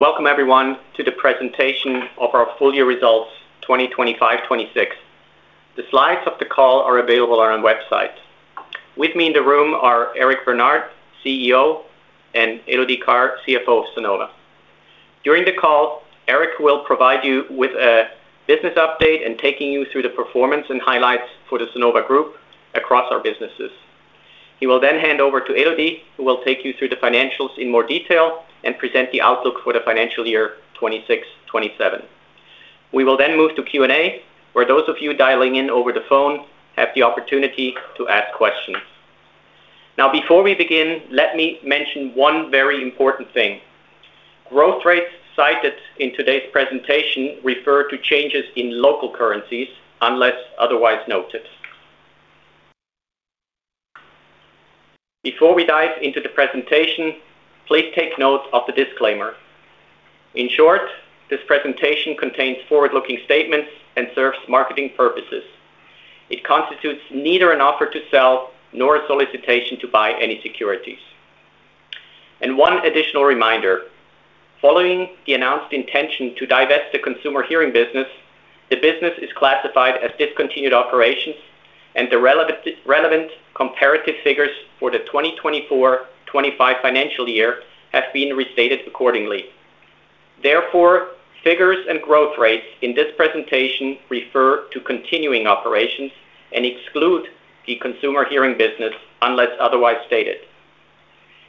Welcome everyone to the presentation of our full year results 2025-2026. The slides of the call are available on our website. With me in the room are Eric Bernard, CEO, and Elodie Carr, CFO of Sonova. During the call, Eric will provide you with a business update and taking you through the performance and highlights for the Sonova group across our businesses. He will then hand over to Elodie, who will take you through the financials in more detail and present the outlook for the financial year 2026-2027. We will move to Q&A, where those of you dialing in over the phone have the opportunity to ask questions. Before we begin, let me mention one very important thing. Growth rates cited in today's presentation refer to changes in local currencies unless otherwise noted. Before we dive into the presentation, please take note of the disclaimer. In short, this presentation contains forward-looking statements and serves marketing purposes. It constitutes neither an offer to sell nor a solicitation to buy any securities. One additional reminder, following the announced intention to divest the Consumer Hearing business, the business is classified as discontinued operations, and the relevant comparative figures for the 2024-2025 financial year have been restated accordingly. Therefore, figures and growth rates in this presentation refer to continuing operations and exclude the Consumer Hearing business unless otherwise stated.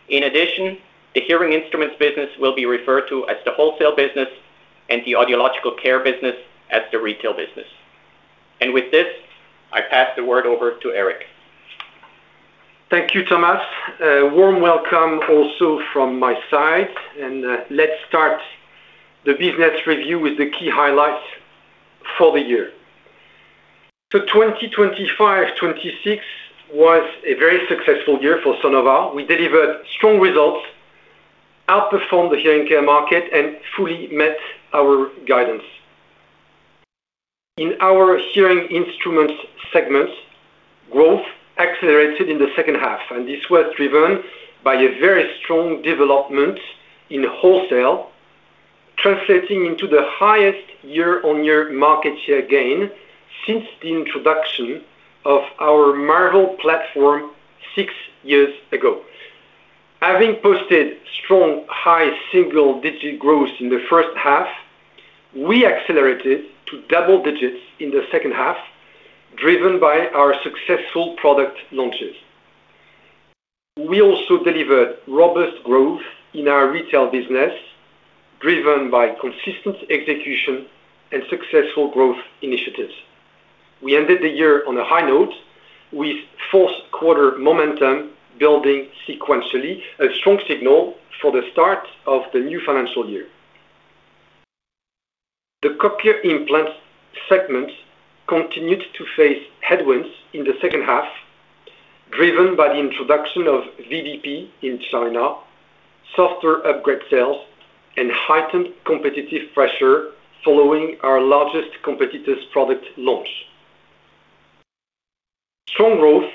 In addition, the hearing instruments business will be referred to as the wholesale business and the audiological care business as the retail business. With this, I pass the word over to Eric. Thank you, Thomas. A warm welcome also from my side. Let's start the business review with the key highlights for the year. 2025-2026 was a very successful year for Sonova. We delivered strong results, outperformed the hearing care market, and fully met our guidance. In our hearing instruments segments, growth accelerated in the second half. This was driven by a very strong development in wholesale, translating into the highest year-on-year market share gain since the introduction of our Marvel platform six years ago. Having posted strong high single-digit growth in the first half, we accelerated to double digits in the second half, driven by our successful product launches. We also delivered robust growth in our retail business, driven by consistent execution and successful growth initiatives. We ended the year on a high note with Q4 momentum building sequentially, a strong signal for the start of the new financial year. The cochlear implants segment continued to face headwinds in the second half, driven by the introduction of VBP in China, software upgrade sales, and heightened competitive pressure following our largest competitor's product launch. Strong growth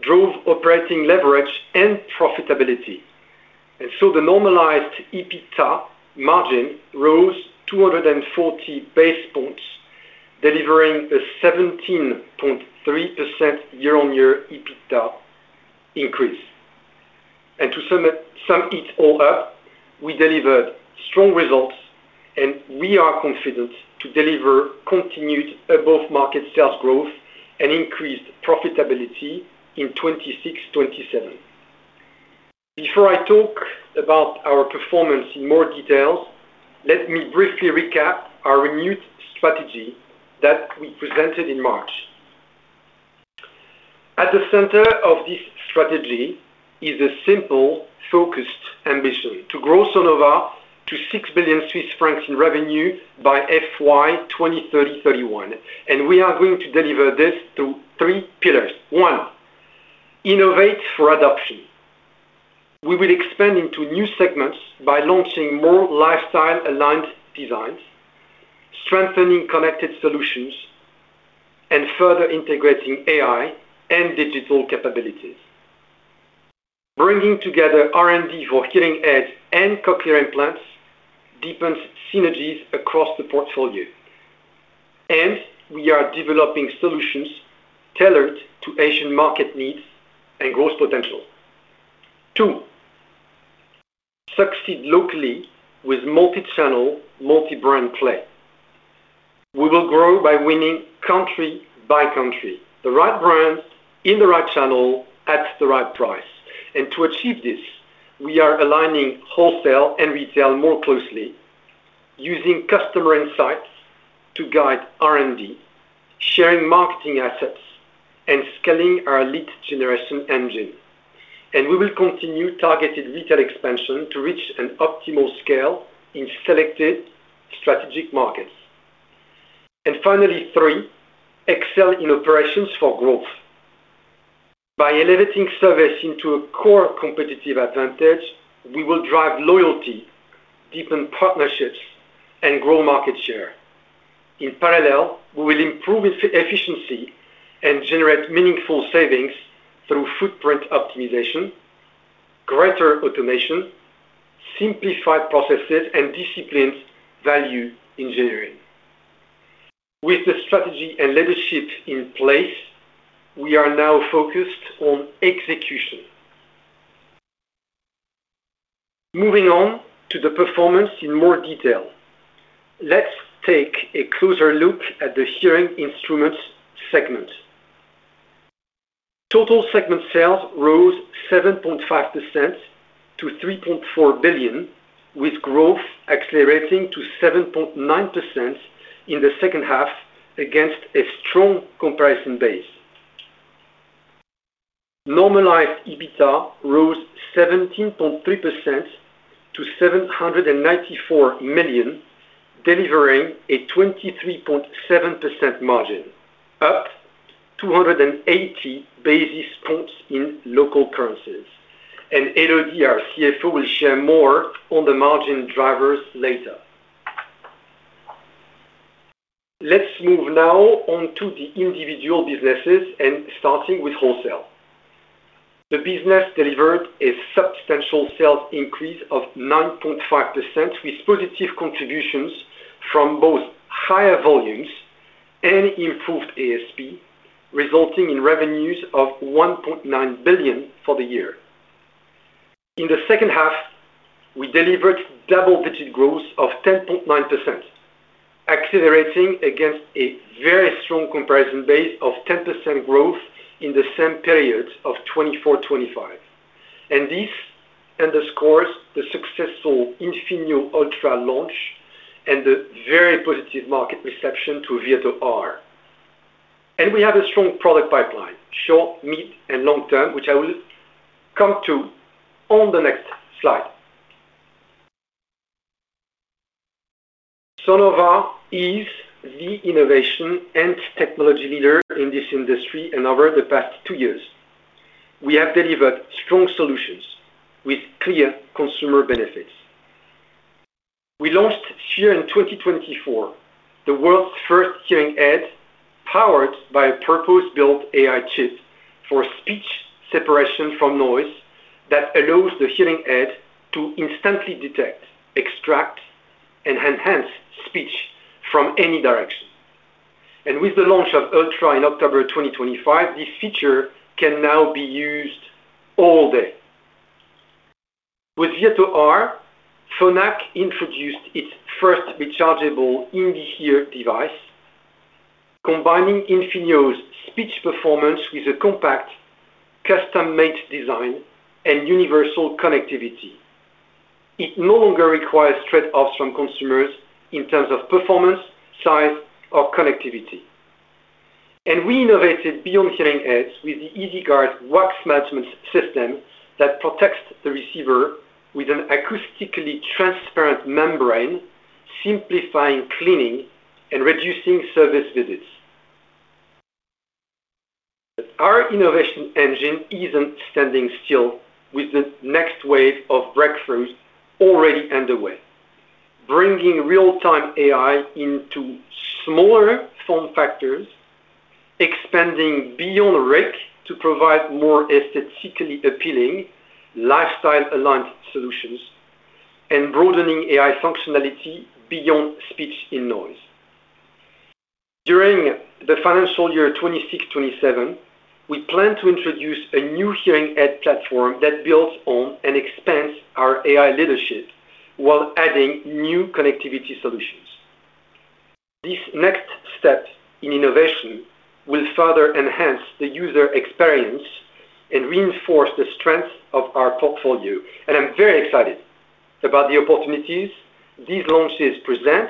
drove operating leverage and profitability. So the normalized EBITDA margin rose 240 basis points, delivering a 17.3% year-on-year EBITDA increase. To sum it all up, we delivered strong results, and we are confident to deliver continued above-market sales growth and increased profitability in 2026-2027. Before I talk about our performance in more details, let me briefly recap our renewed strategy that we presented in March. At the center of this strategy is a simple, focused ambition to grow Sonova to 6 billion Swiss francs in revenue by FY 2030-31. We are going to deliver this through three pillars. One, Innovate for adoption. We will expand into new segments by launching more lifestyle-aligned designs, strengthening connected solutions, and further integrating AI and digital capabilities. Bringing together R&D for hearing aids and cochlear implants deepens synergies across the portfolio. We are developing solutions tailored to Asian market needs and growth potential. Two, Succeed locally with multi-channel, multi-brand play. We will grow by winning country by country, the right brand in the right channel at the right price. To achieve this, we are aligning wholesale and retail more closely using customer insights to guide R&D, sharing marketing assets, and scaling our lead generation engine. We will continue targeted retail expansion to reach an optimal scale in selected strategic markets. Finally, three, excel in operations for growth. By elevating service into a core competitive advantage, we will drive loyalty, deepen partnerships, and grow market share. In parallel, we will improve efficiency and generate meaningful savings through footprint optimization, greater automation, simplified processes, and disciplined value engineering. With the strategy and leadership in place, we are now focused on execution. Moving on to the performance in more detail, let's take a closer look at the hearing instruments segment. Total segment sales rose 7.5% to 3.4 billion, with growth accelerating to 7.9% in the second half against a strong comparison base. Normalized EBITDA rose 17.3% to 794 million, delivering a 23.7% margin, up 280 basis points in local currencies. Elodie Carr, our CFO, will share more on the margin drivers later. Let's move now on to the individual businesses and starting with wholesale. The business delivered a substantial sales increase of 9.5%, with positive contributions from both higher volumes and improved ASP, resulting in revenues of 1.9 billion for the year. In the second half, we delivered double-digit growth of 10.9%, accelerating against a very strong comparison base of 10% growth in the same period of 2024, 2025. This underscores the successful Infinio Ultra launch and the very positive market reception to Virto R. We have a strong product pipeline, short, mid, and long term, which I will come to on the next slide. Sonova is the innovation and technology leader in this industry, and over the past two years, we have delivered strong solutions with clear consumer benefits. We launched Sphere in 2024, the world's first hearing aid powered by a purpose-built AI chip for speech separation from noise that allows the hearing aid to instantly detect, extract, and enhance speech from any direction. With the launch of Ultra in October 2025, this feature can now be used all day. With Virto R, Phonak introduced its first rechargeable in the ear device, combining Infinio's speech performance with a compact, custom-made design and universal connectivity. It no longer requires trade-offs from consumers in terms of performance, size, or connectivity. We innovated beyond hearing aids with the EasyGuard wax management system that protects the receiver with an acoustically transparent membrane, simplifying cleaning and reducing service visits. Our innovation engine isn't standing still with the next wave of breakthroughs already underway, bringing real-time AI into smaller form factors, expanding beyond RIC to provide more aesthetically appealing, lifestyle-aligned solutions, and broadening AI functionality beyond speech in noise. During the financial year 2026, 2027, we plan to introduce a new hearing aid platform that builds on and expands our AI leadership while adding new connectivity solutions. This next step in innovation will further enhance the user experience and reinforce the strength of our portfolio. I'm very excited about the opportunities these launches present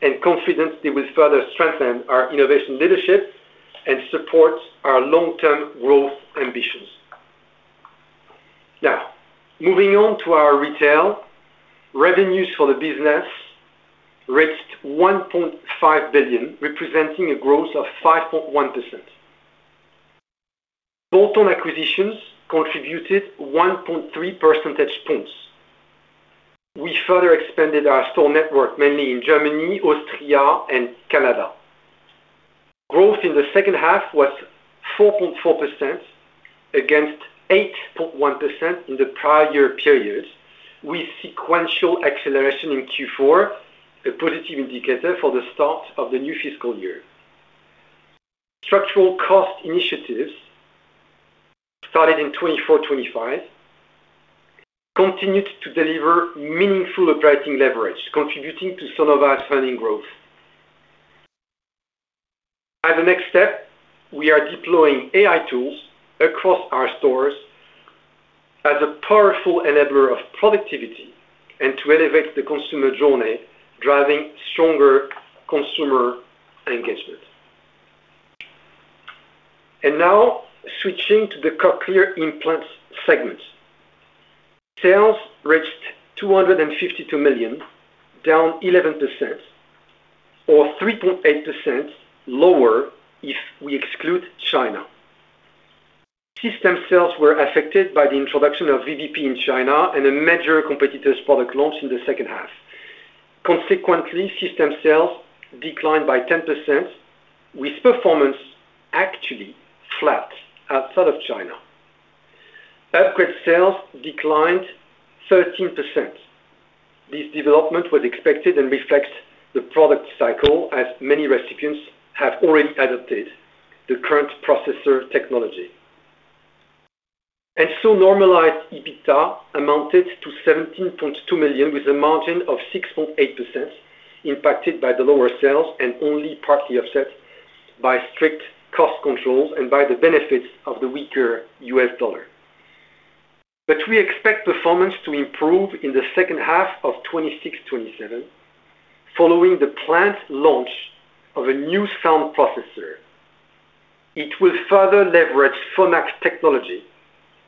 and confident it will further strengthen our innovation leadership and support our long-term growth ambitions. Now, moving on to our retail, revenues for the business reached 1.5 billion, representing a growth of 5.1%. Bolt-on acquisitions contributed 1.3 percentage points. We further expanded our store network, mainly in Germany, Austria, and Canada. Growth in the second half was 4.4% against 8.1% in the prior year period, with sequential acceleration in Q4, a positive indicator for the start of the new fiscal year. Structural cost initiatives started in FY 2024, FY 2025 continued to deliver meaningful operating leverage, contributing to some of our funding growth. As a next step, we are deploying AI tools across our stores as a powerful enabler of productivity and to elevate the consumer journey, driving stronger consumer engagement. Now, switching to the cochlear implants segment. Sales reached 252 million, down 11% or 3.8% lower if we exclude China. System sales were affected by the introduction of VBP in China and a major competitor's product launch in the second half. Consequently, system sales declined by 10%, with performance actually flat outside of China. Upgrade sales declined 13%. This development was expected and reflects the product cycle as many recipients have already adopted the current processor technology. Normalized EBITDA amounted to 17.2 million, with a margin of 6.8% impacted by the lower sales and only partly offset by strict cost controls and by the benefits of the weaker US dollar. We expect performance to improve in the second half of 2026, 2027 following the planned launch of a new sound processor. It will further leverage Phonak's technology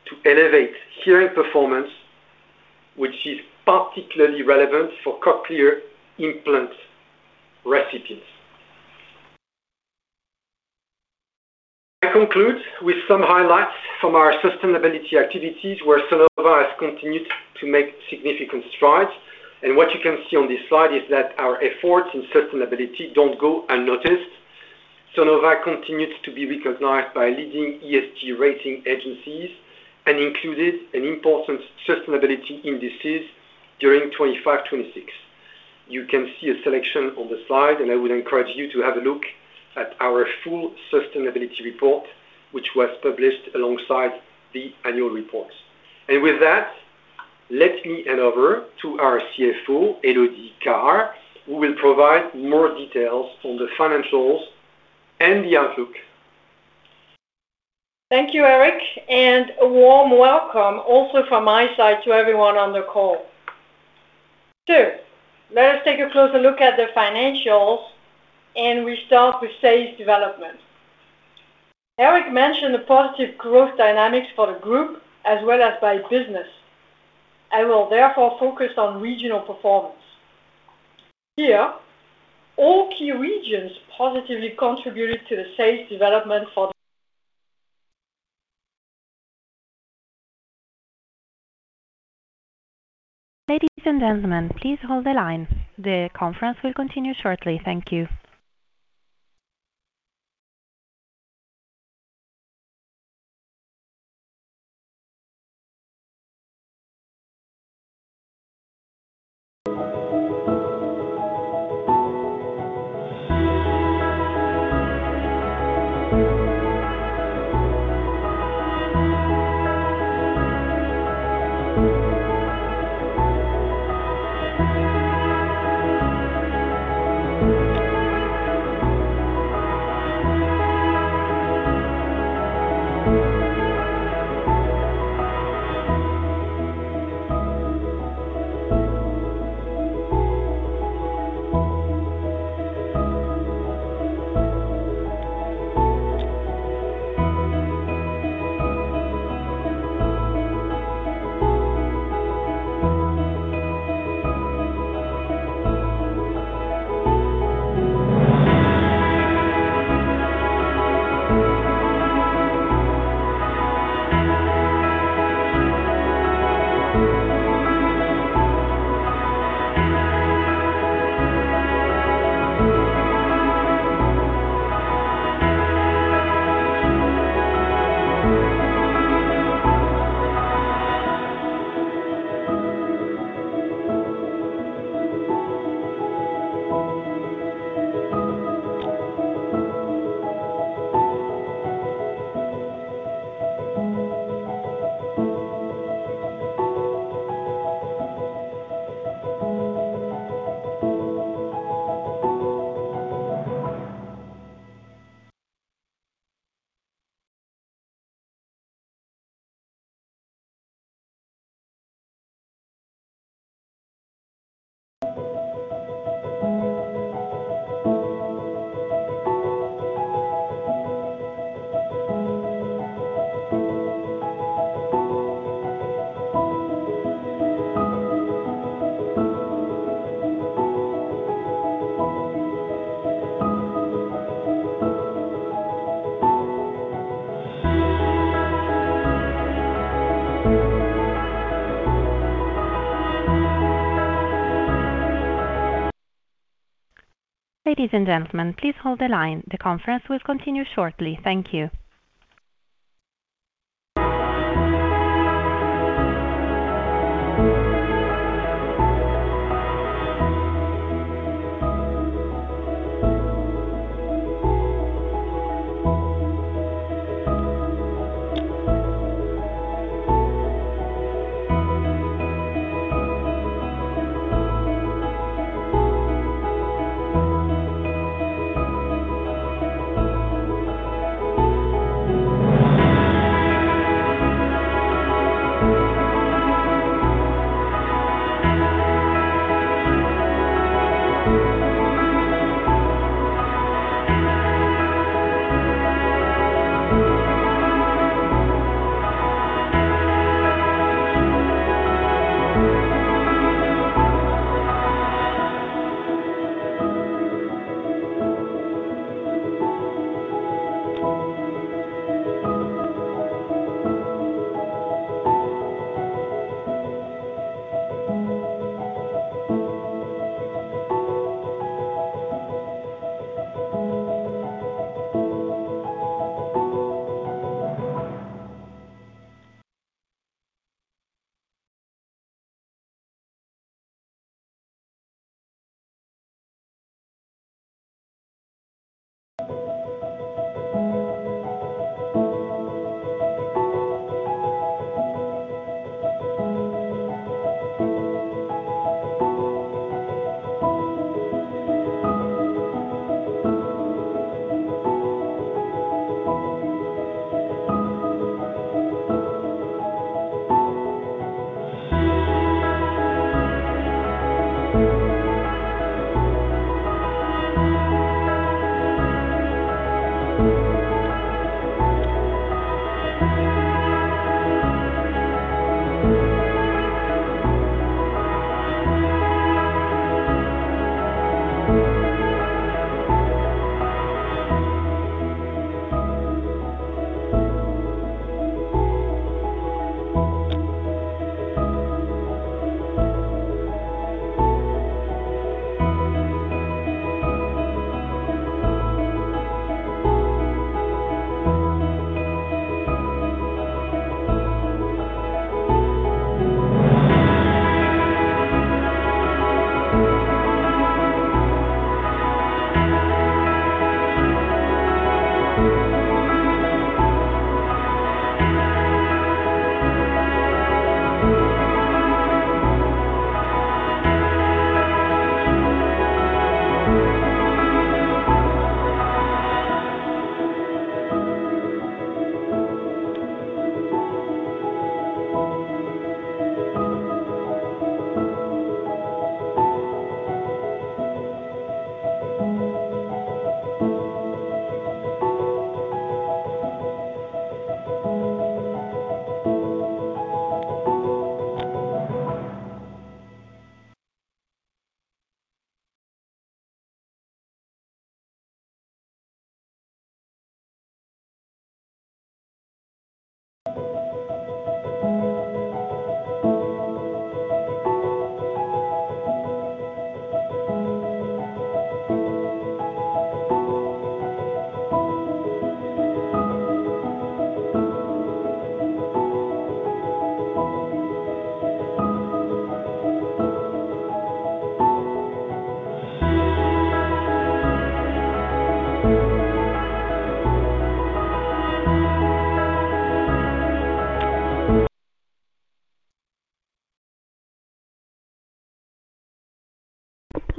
to elevate hearing performance, which is particularly relevant for cochlear implant recipients. I conclude with some highlights from our sustainability activities, where Sonova has continued to make significant strides. What you can see on this slide is that our efforts in sustainability don't go unnoticed. Sonova continues to be recognized by leading ESG rating agencies and included in important sustainability indices during 2025, 2026. You can see a selection on the slide. I would encourage you to have a look at our full sustainability report, which was published alongside the annual report. With that, let me hand over to our CFO, Elodie Carr, who will provide more details on the financials and the outlook. Thank you, Eric, a warm welcome also from my side to everyone on the call. Let us take a closer look at the financials. We start with sales development. Eric mentioned the positive growth dynamics for the group as well as by business. I will therefore focus on regional performance. Here, all key regions positively contributed to the sales development. Ladies and gentlemen, please hold the line. The conference will continue shortly. Thank you. Ladies and gentlemen, please hold the line. The conference will continue shortly. Thank you.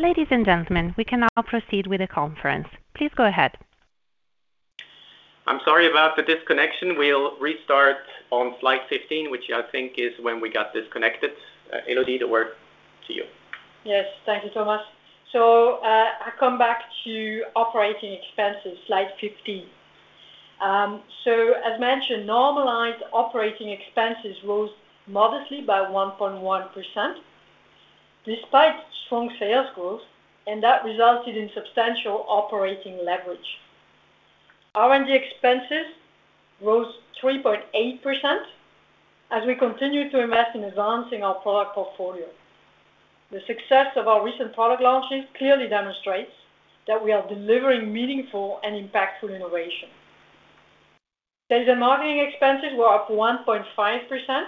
Ladies and gentlemen, we can now proceed with the conference. Please go ahead. I'm sorry about the disconnection. We'll restart on slide 15, which I think is when we got disconnected. Elodie, the word to you. Yes. Thank you, Thomas. I come back to operating expenses, slide 15. As mentioned, normalized operating expenses rose modestly by 1.1% despite strong sales growth, and that resulted in substantial operating leverage. R&D expenses rose 3.8% as we continue to invest in advancing our product portfolio. The success of our recent product launches clearly demonstrates that we are delivering meaningful and impactful innovation. Sales and marketing expenses were up 1.5%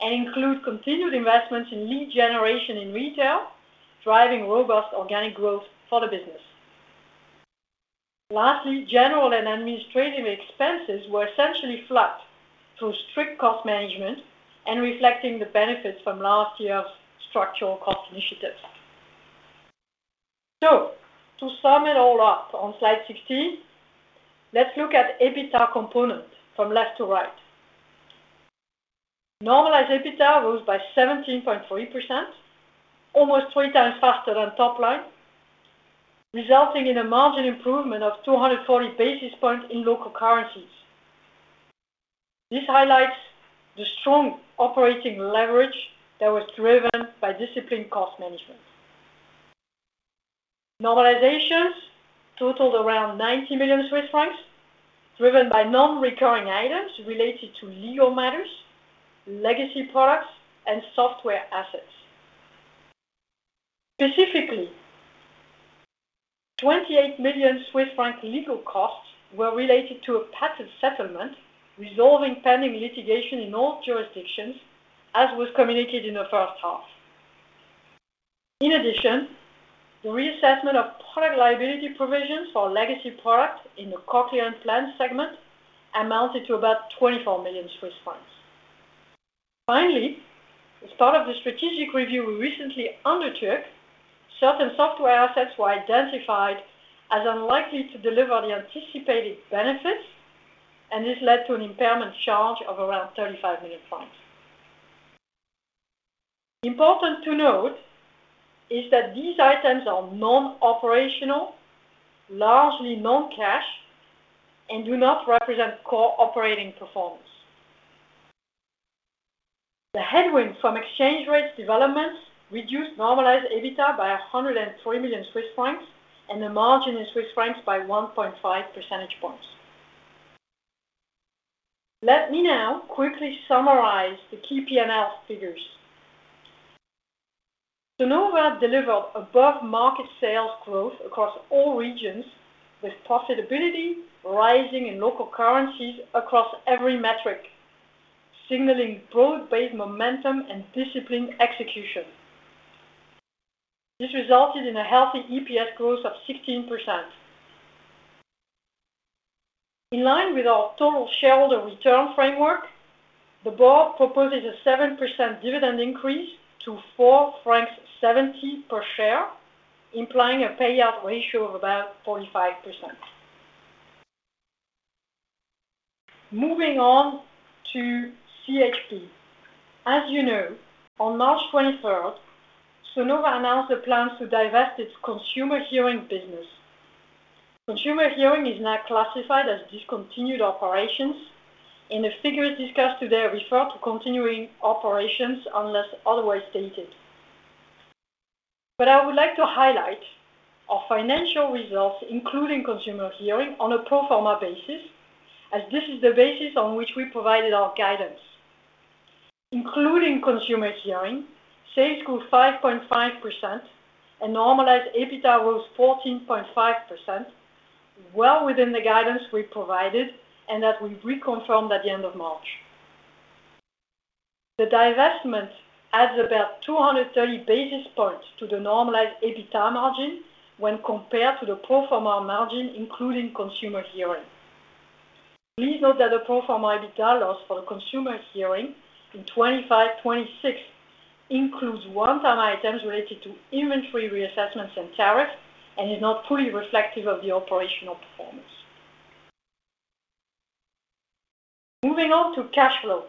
and include continued investments in lead generation in retail, driving robust organic growth for the business. Lastly, general and administrative expenses were essentially flat through strict cost management and reflecting the benefits from last year's structural cost initiatives. To sum it all up on slide 16, let's look at EBITDA component from left to right. Normalized EBITDA rose by 17.3%, almost three times faster than top line, resulting in a margin improvement of 240 basis points in local currencies. This highlights the strong operating leverage that was driven by disciplined cost management. Normalizations totaled around 90 million Swiss francs, driven by non-recurring items related to legal matters, legacy products, and software assets. Specifically, 28 million Swiss franc legal costs were related to a patent settlement resolving pending litigation in all jurisdictions, as was communicated in the first half. In addition, the reassessment of product liability provisions for legacy product in the Cochlear Implant segment amounted to about 24 million Swiss francs. As part of the strategic review we recently undertook, certain software assets were identified as unlikely to deliver the anticipated benefits, and this led to an impairment charge of around 35 million. Important to note is that these items are non-operational, largely non-cash, and do not represent core operating performance. The headwind from exchange rates developments reduced normalized EBITDA by 103 million Swiss francs and the margin in Swiss francs by 1.5 percentage points. Let me now quickly summarize the key P&L figures. Sonova delivered above-market sales growth across all regions, with profitability rising in local currencies across every metric, signaling broad-based momentum and disciplined execution. This resulted in a healthy EPS growth of 16%. In line with our total shareholder return framework, the board proposes a 7% dividend increase to 4.70 francs per share, implying a payout ratio of about 45%. Moving on to CHB. As you know, on March 23rd, Sonova announced the plans to divest its Consumer Hearing business. Consumer Hearing is now classified as discontinued operations. The figures discussed today refer to continuing operations unless otherwise stated. I would like to highlight our financial results, including Consumer Hearing, on a pro forma basis, as this is the basis on which we provided our guidance. Including Consumer Hearing, sales grew 5.5% and normalized EBITDA rose 14.5%, well within the guidance we provided and that we reconfirmed at the end of March. The divestment adds about 230 basis points to the normalized EBITDA margin when compared to the pro forma margin, including Consumer Hearing. Please note that the pro forma EBITDA loss for Consumer Hearing in 2025, 2026 includes one-time items related to inventory reassessments and tariffs and is not fully reflective of the operational performance. Moving on to cash flow.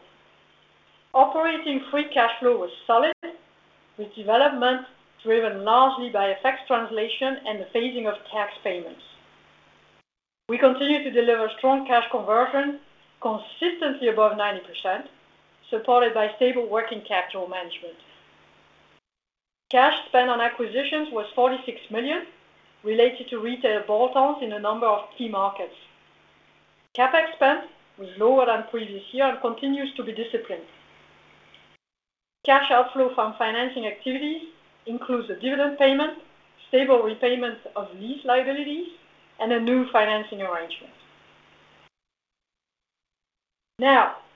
Operating free cash flow was solid, with development driven largely by FX translation and the phasing of tax payments. We continue to deliver strong cash conversion consistently above 90%, supported by stable working capital management. Cash spent on acquisitions was 46 million, related to retail bolt-ons in a number of key markets. CapEx spend was lower than previous year and continues to be disciplined. Cash outflow from financing activities includes a dividend payment, stable repayments of lease liabilities, and a new financing arrangement.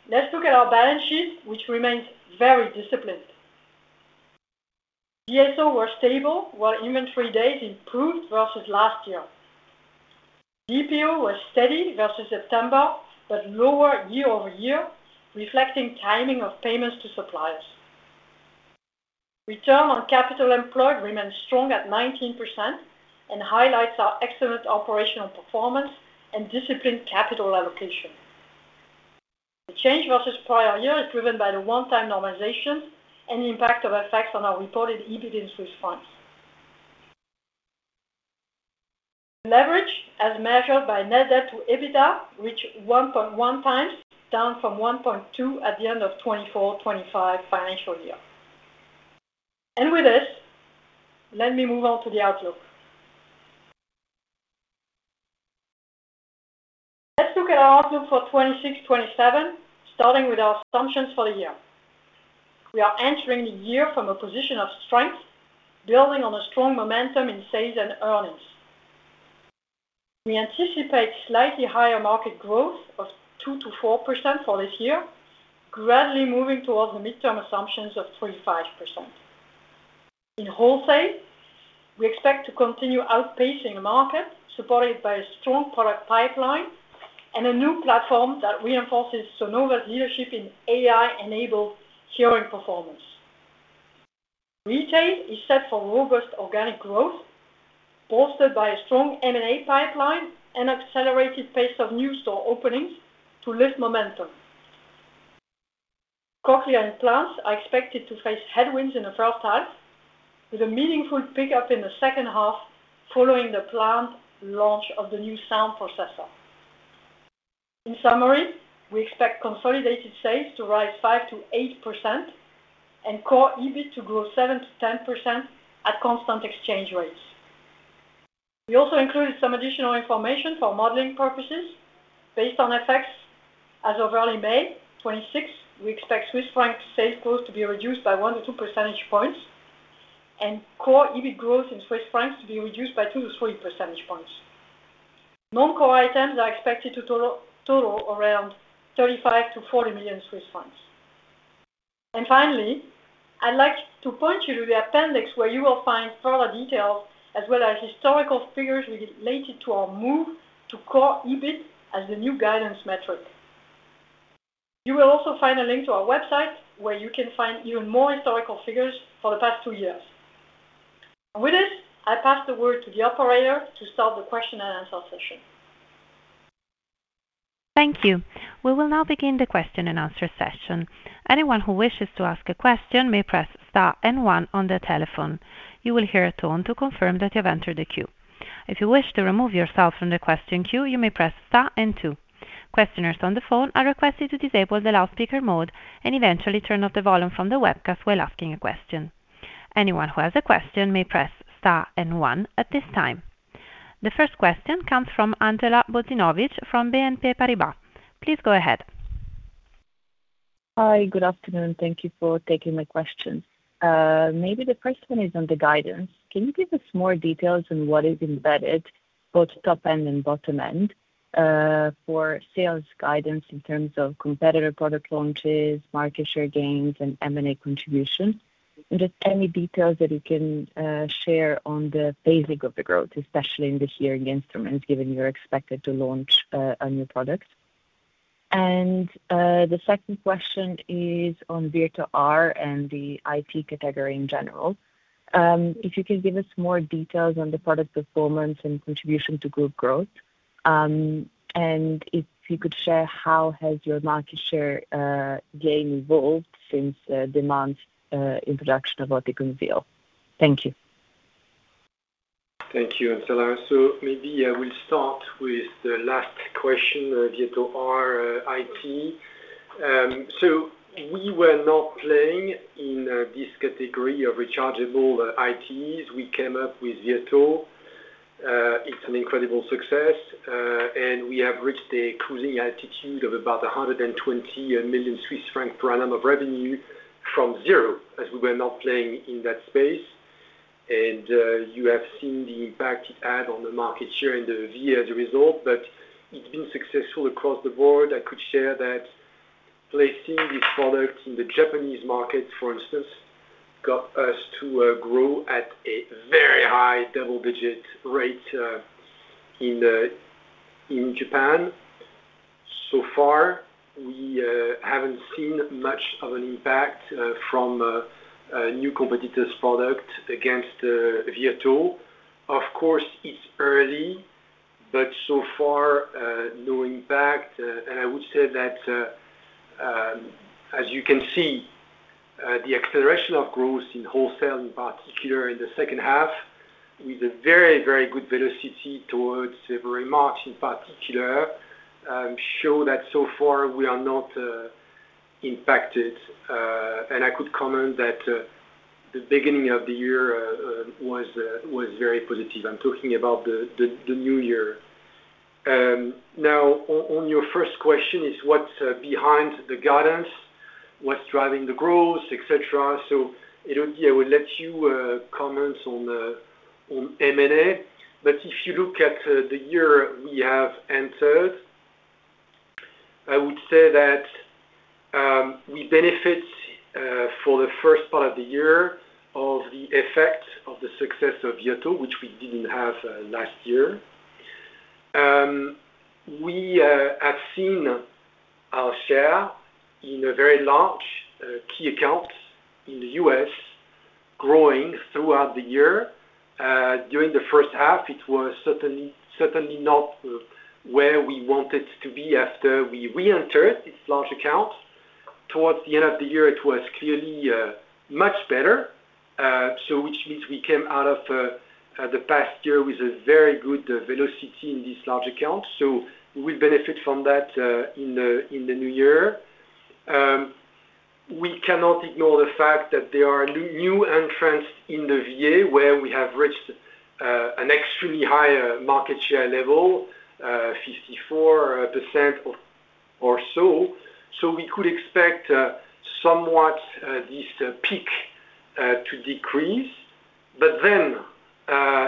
Let's look at our balance sheet, which remains very disciplined. DSO was stable, while inventory days improved versus last year. DPO was steady versus September, but lower year-over-year, reflecting timing of payments to suppliers. Return on capital employed remains strong at 19% and highlights our excellent operational performance and disciplined capital allocation. The change versus prior year is driven by the one-time normalization and the impact of FX on our reported EBIT in CHF. Leverage, as measured by net debt to EBITDA, reached 1.1 times, down from 1.2 at the end of 2024-2025 financial year. With this, let me move on to the outlook. Let's look at our outlook for 2026-2027, starting with our assumptions for the year. We are entering the year from a position of strength, building on a strong momentum in sales and earnings. We anticipate slightly higher market growth of 2%-4% for this year, gradually moving towards the midterm assumptions of 3%-5%. In wholesale, we expect to continue outpacing the market, supported by a strong product pipeline and a new platform that reinforces Sonova's leadership in AI-enabled hearing performance. Retail is set for robust organic growth, bolstered by a strong M&A pipeline and accelerated pace of new store openings to lift momentum. Cochlear implants are expected to face headwinds in the first half, with a meaningful pickup in the second half following the planned launch of the new sound processor. In summary, we expect consolidated sales to rise 5%-8% and core EBIT to grow 7%-10% at constant exchange rates. We also included some additional information for modeling purposes based on FX. As of early May 2026, we expect Swiss franc sales growth to be reduced by 1-2 percentage points and core EBIT growth in Swiss francs to be reduced by 2-3 percentage points. Non-core items are expected to total around 35 million-40 million Swiss francs. Finally, I'd like to point you to the appendix, where you will find further details as well as historical figures related to our move to core EBIT as the new guidance metric. You will also find a link to our website, where you can find even more historical figures for the past two years. With this, I pass the word to the operator to start the question and answer session. Thank you. We will now begin the question and answer session. Anyone who wishes to ask a question may press star and one on their telephone. You will hear a tone to confirm that you've entered the queue. If you wish to remove yourself from the question queue, you may press star and two. Questioners on the phone are requested to disable the loudspeaker mode and eventually turn off the volume from the webcast while asking a question. Anyone who has a question may press star and one at this time. The first question comes from Andjela Bozinovic from BNP Paribas. Please go ahead. Hi. Good afternoon. Thank you for taking my question. Maybe the first one is on the guidance. Can you give us more details on what is embedded, both top end and bottom end, for sales guidance in terms of competitor product launches, market share gains and M&A contribution? Just any details that you can share on the phasing of the growth, especially in the hearing instruments, given you're expected to launch new products. The second question is on Virto R and the ITE category in general. If you can give us more details on the product performance and contribution to group growth. If you could share how has your market share gain evolved since the March introduction of Oticon Real. Thank you. Thank you, Andjela. Maybe I will start with the last question, Virto R ITE. We were not playing in this category of rechargeable ITEs. We came up with Virto. It's an incredible success, and we have reached a cruising altitude of about 120 million Swiss francs per annum of revenue from zero, as we were not playing in that space. You have seen the impact it had on the market share in the year as a result. It's been successful across the board. I could share that placing this product in the Japanese market, for instance, got us to grow at a very high double-digit rate in Japan. We haven't seen much of an impact from new competitors' product against Virto. Of course, it's early, but so far, no impact. I would say that, as you can see, the acceleration of growth in wholesale in particular in the second half with a very, very good velocity towards February, March in particular, show that so far we are not impacted. I could comment that the beginning of the year was very positive. I'm talking about the new year. Now on your first question is what's behind the guidance, what's driving the growth, et cetera. Elodie, I will let you comment on M&A. If you look at the year we have entered, I would say that we benefit for the first part of the year of the effect of the success of Virto, which we didn't have last year. We have seen our share in a very large key account in the U.S. growing throughout the year. During the first half, it was certainly not where we wanted to be after we reentered this large account. Towards the end of the year, it was clearly much better. Which means we came out of the past year with a very good velocity in this large account. We will benefit from that in the new year. We cannot ignore the fact that there are new entrants in the VA, where we have reached an extremely high market share level, 54% or so. We could expect somewhat this peak to decrease. Then,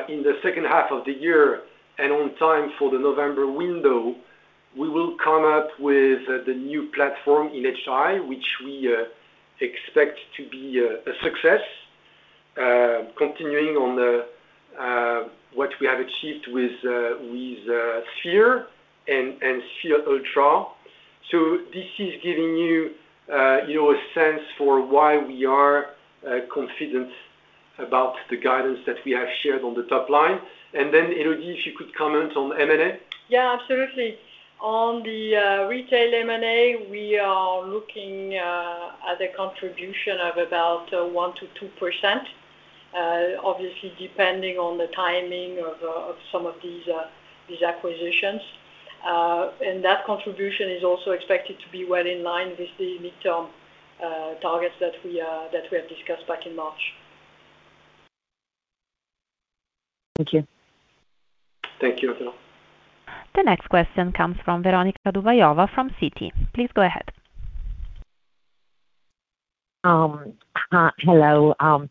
in the second half of the year and on time for the November window, we will come up with the new platform in HI, which we expect to be a success, continuing on the what we have achieved with Sphere and Sphere Ultra. This is giving you a sense for why we are confident about the guidance that we have shared on the top line. Elodie, if you could comment on M&A. Yeah, absolutely. On the retail M&A, we are looking at a contribution of about 1%-2%, obviously, depending on the timing of some of these acquisitions. That contribution is also expected to be well in line with the midterm targets that we have discussed back in March. Thank you. Thank you, Andjela. The next question comes from Veronika Dubajova from Citi. Please go ahead. Hello,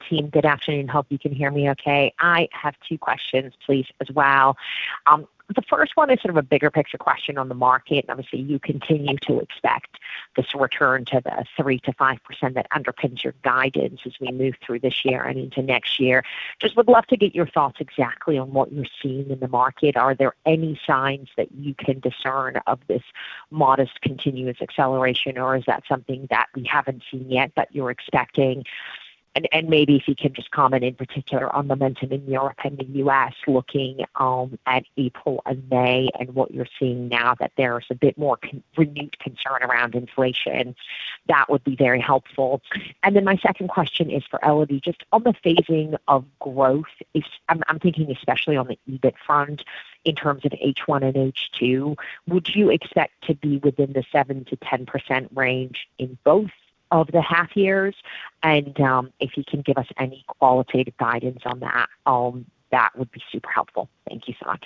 team. Good afternoon. Hope you can hear me okay. I have two questions please as well. The first one is sort of a bigger picture question on the market. Obviously, you continue to expect this return to the 3%-5% that underpins your guidance as we move through this year and into next year. Just would love to get your thoughts exactly on what you're seeing in the market. Are there any signs that you can discern of this modest continuous acceleration, or is that something that we haven't seen yet that you're expecting? Maybe if you can just comment in particular on momentum in Europe and the U.S. looking at April and May and what you're seeing now that there's a bit more renewed concern around inflation. That would be very helpful. My second question is for Elodie. Just on the phasing of growth is I'm thinking especially on the EBIT front in terms of H1 and H2. Would you expect to be within the 7%-10% range in both of the half years? If you can give us any qualitative guidance on that would be super helpful. Thank you so much.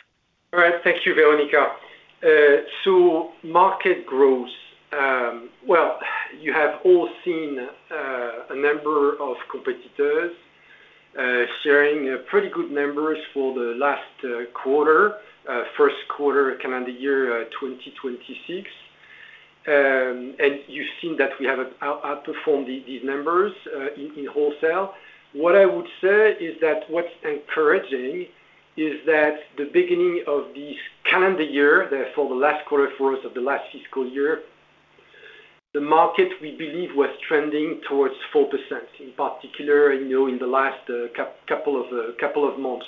Thank you, Veronika. Market growth. Well, you have all seen a number of competitors sharing pretty good numbers for the last quarter, Q1 calendar year, 2026. You've seen that we have outperformed these numbers in wholesale. What I would say is that what's encouraging is that the beginning of this calendar year, therefore the last quarter for us of the last fiscal year, the market, we believe, was trending towards 4%, in particular, you know, in the last couple of months.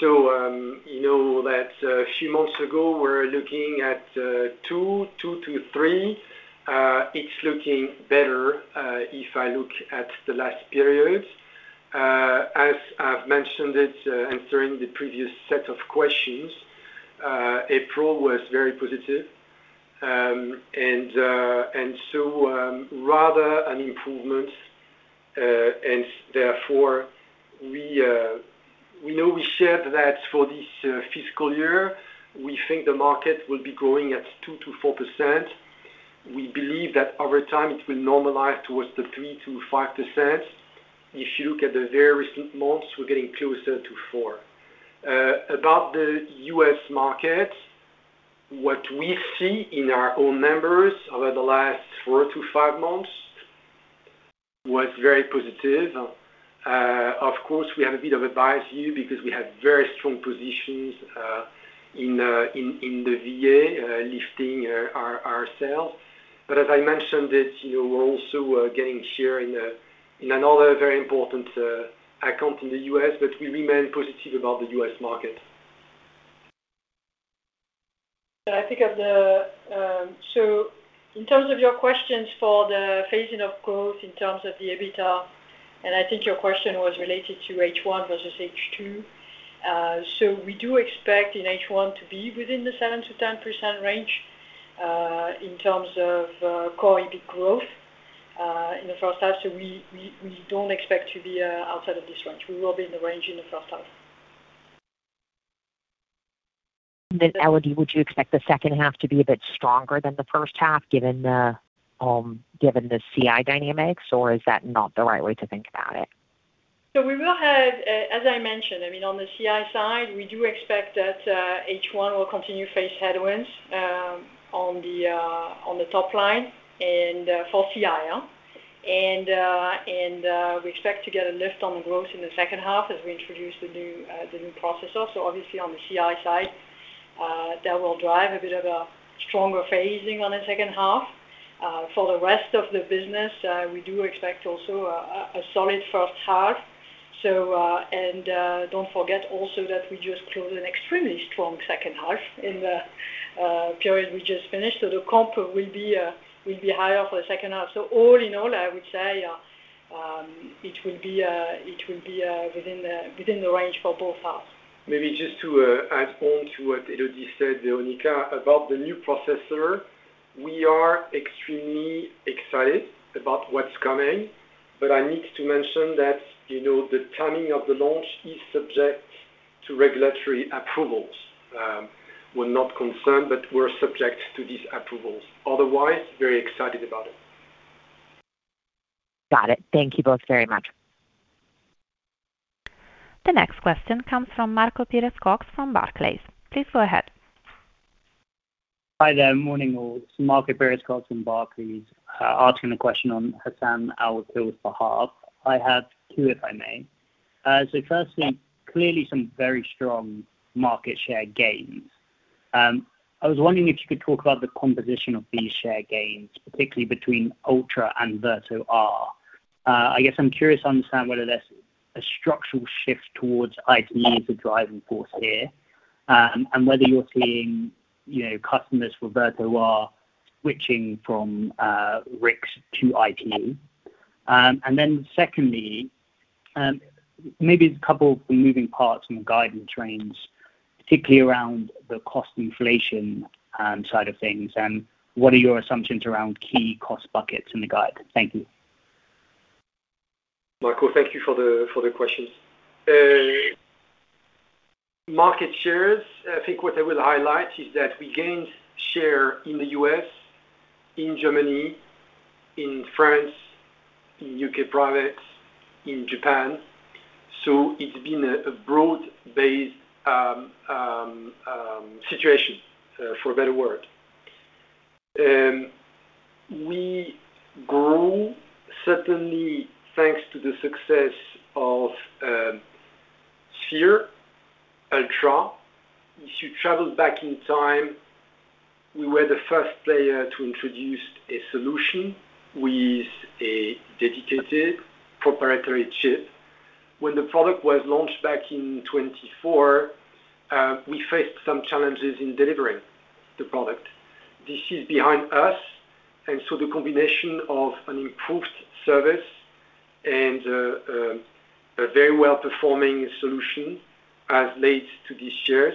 You know that a few months ago, we're looking at two-three. It's looking better if I look at the last period. As I've mentioned it, answering the previous set of questions, April was very positive. Rather an improvement. We know we shared that for this fiscal year. We think the market will be growing at 2%-4%. We believe that over time, it will normalize towards the 3%-5%. If you look at the very recent months, we're getting closer to 4%. About the U.S. market, what we see in our own numbers over the last four-five months was very positive. Of course, we have a bit of a biased view because we have very strong positions in the VA, lifting our sales. As I mentioned it, you know, we're also gaining share in another very important account in the U.S., but we remain positive about the U.S. market. I think of the, so in terms of your questions for the phasing of growth in terms of the EBITDA, and I think your question was related to H1 versus H2. We do expect in H1 to be within the 7%-10% range, in terms of core EBIT growth, in the first half. We don't expect to be outside of this range. We will be in the range in the first half. Elodie, would you expect the second half to be a bit stronger than the first half, given the given the CI dynamics, or is that not the right way to think about it? We will have, as I mentioned, I mean, on the CI side, we do expect that H1 will continue to face headwinds, on the top line and for CI. We expect to get a lift on the growth in the second half as we introduce the new, the new processor. Obviously on the CI side, that will drive a bit of a stronger phasing on the second half. For the rest of the business, we do expect also a solid first half. Don't forget also that we just closed an extremely strong second half in the period we just finished. The comp will be higher for the second half. All in all, I would say, it will be within the range for both halves. Maybe just to add on to what Elodie said, Veronika, about the new processor, we are extremely excited about what's coming, but I need to mention that, you know, the timing of the launch is subject to regulatory approvals. We're not concerned, but we're subject to these approvals. Otherwise, very excited about it. Got it. Thank you both very much. The next question comes from Marco Pires-Cox from Barclays. Please go ahead. Hi there. Morning, all. It's Marco Pires-Cox from Barclays, asking a question on Hassan Al-Wakeel's behalf. I have two, if I may. Firstly, clearly some very strong market share gains. I was wondering if you could talk about the composition of these share gains, particularly between Ultra and Virto R. I guess I'm curious to understand whether there's a structural shift towards ITE as a driving force here, and whether you're seeing, you know, customers for Virto R switching from RICs to ITE. Secondly, maybe a couple of the moving parts in the guidance range, particularly around the cost inflation side of things, and what are your assumptions around key cost buckets in the guide? Thank you. Marco, thank you for the questions. Market shares, I think what I will highlight is that we gained share in the U.S., in Germany, in France, in U.K. private, in Japan. It's been a broad-based situation for a better word. We grew, certainly thanks to the success of Sphere, Ultra. If you travel back in time, we were the first player to introduce a solution with a dedicated proprietary chip. When the product was launched back in 2024, we faced some challenges in delivering the product. This is behind us, the combination of an improved service and a very well-performing solution has led to these shares.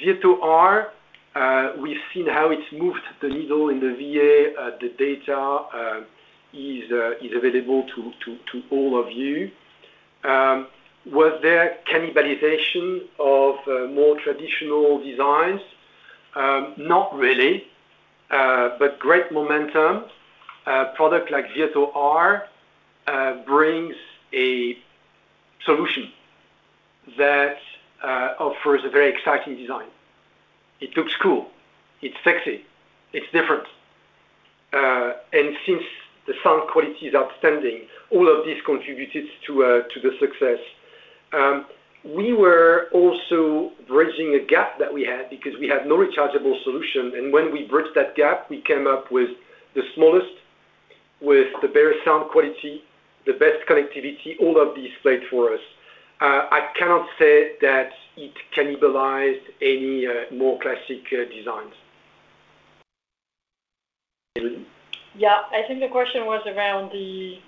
Virto R. We've seen how it's moved the needle in the VA. The data is available to all of you. Was there cannibalization of more traditional designs? Not really. Great momentum. A product like Virto R brings a solution that offers a very exciting design. It looks cool, it's sexy, it's different. Since the sound quality is outstanding, all of these contributed to the success. We were also bridging a gap that we had because we had no rechargeable solution, and when we bridged that gap, we came up with the smallest, with the better sound quality, the best connectivity, all of these played for us. I cannot say that it cannibalized any more classic designs. Yeah. I think the question was around the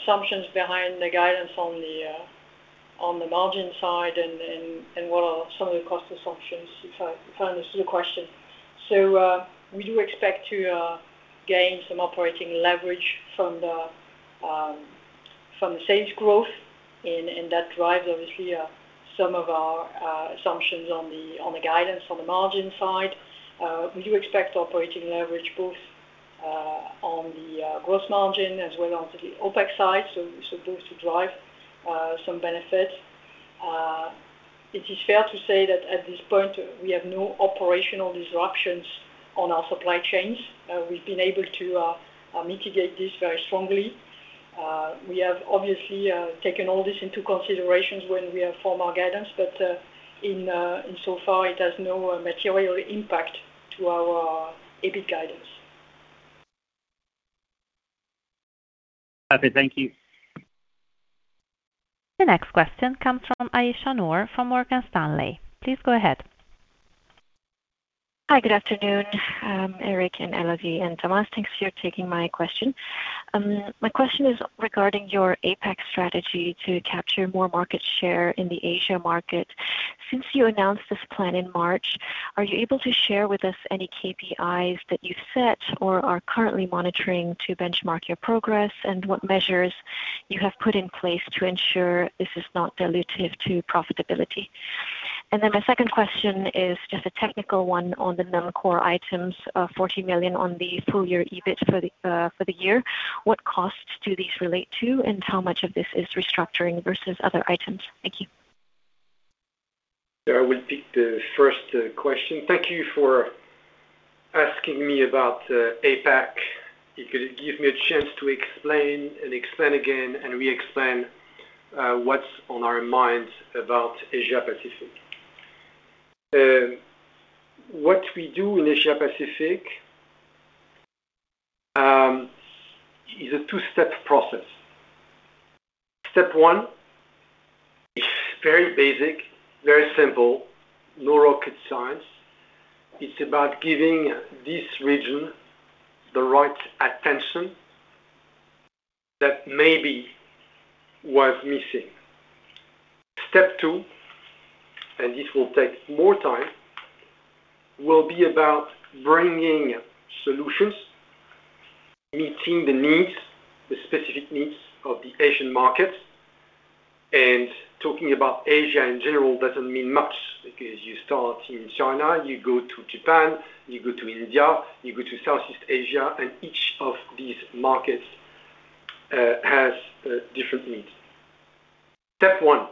assumptions behind the guidance on the margin side and what are some of the cost assumptions, if I understood the question. We do expect to gain some operating leverage from the sales growth and that drives obviously some of our assumptions on the guidance on the margin side. We do expect operating leverage both on the gross margin as well as the OpEx side, so both to drive some benefit. It is fair to say that at this point, we have no operational disruptions on our supply chains. We've been able to mitigate this very strongly. We have obviously taken all this into considerations when we have formed our guidance, but in and so far, it has no material impact to our EBIT guidance. Copy. Thank you. The next question comes from Aisyah Noor from Morgan Stanley. Please go ahead. Hi. Good afternoon, Eric and Elodie and Thomas. Thanks for taking my question. My question is regarding your APAC strategy to capture more market share in the Asia market. Since you announced this plan in March, are you able to share with us any KPIs that you set or are currently monitoring to benchmark your progress and what measures you have put in place to ensure this is not dilutive to profitability? My second question is just a technical one on the non-core items, 40 million on the full year EBIT for the year. What costs do these relate to, and how much of this is restructuring versus other items? Thank you. I will take the first question. Thank you for asking me about APAC. It could give me a chance to explain and explain again and re-explain what's on our minds about Asia-Pacific. What we do in Asia-Pacific is a two-step process. Step one is very basic, very simple, no rocket science. It's about giving this region the right attention that maybe was missing. Step two, this will take more time, will be about bringing solutions, meeting the needs, the specific needs of the Asian market. Talking about Asia in general doesn't mean much because you start in China, you go to Japan, you go to India, you go to Southeast Asia, and each of these markets has different needs. Step one,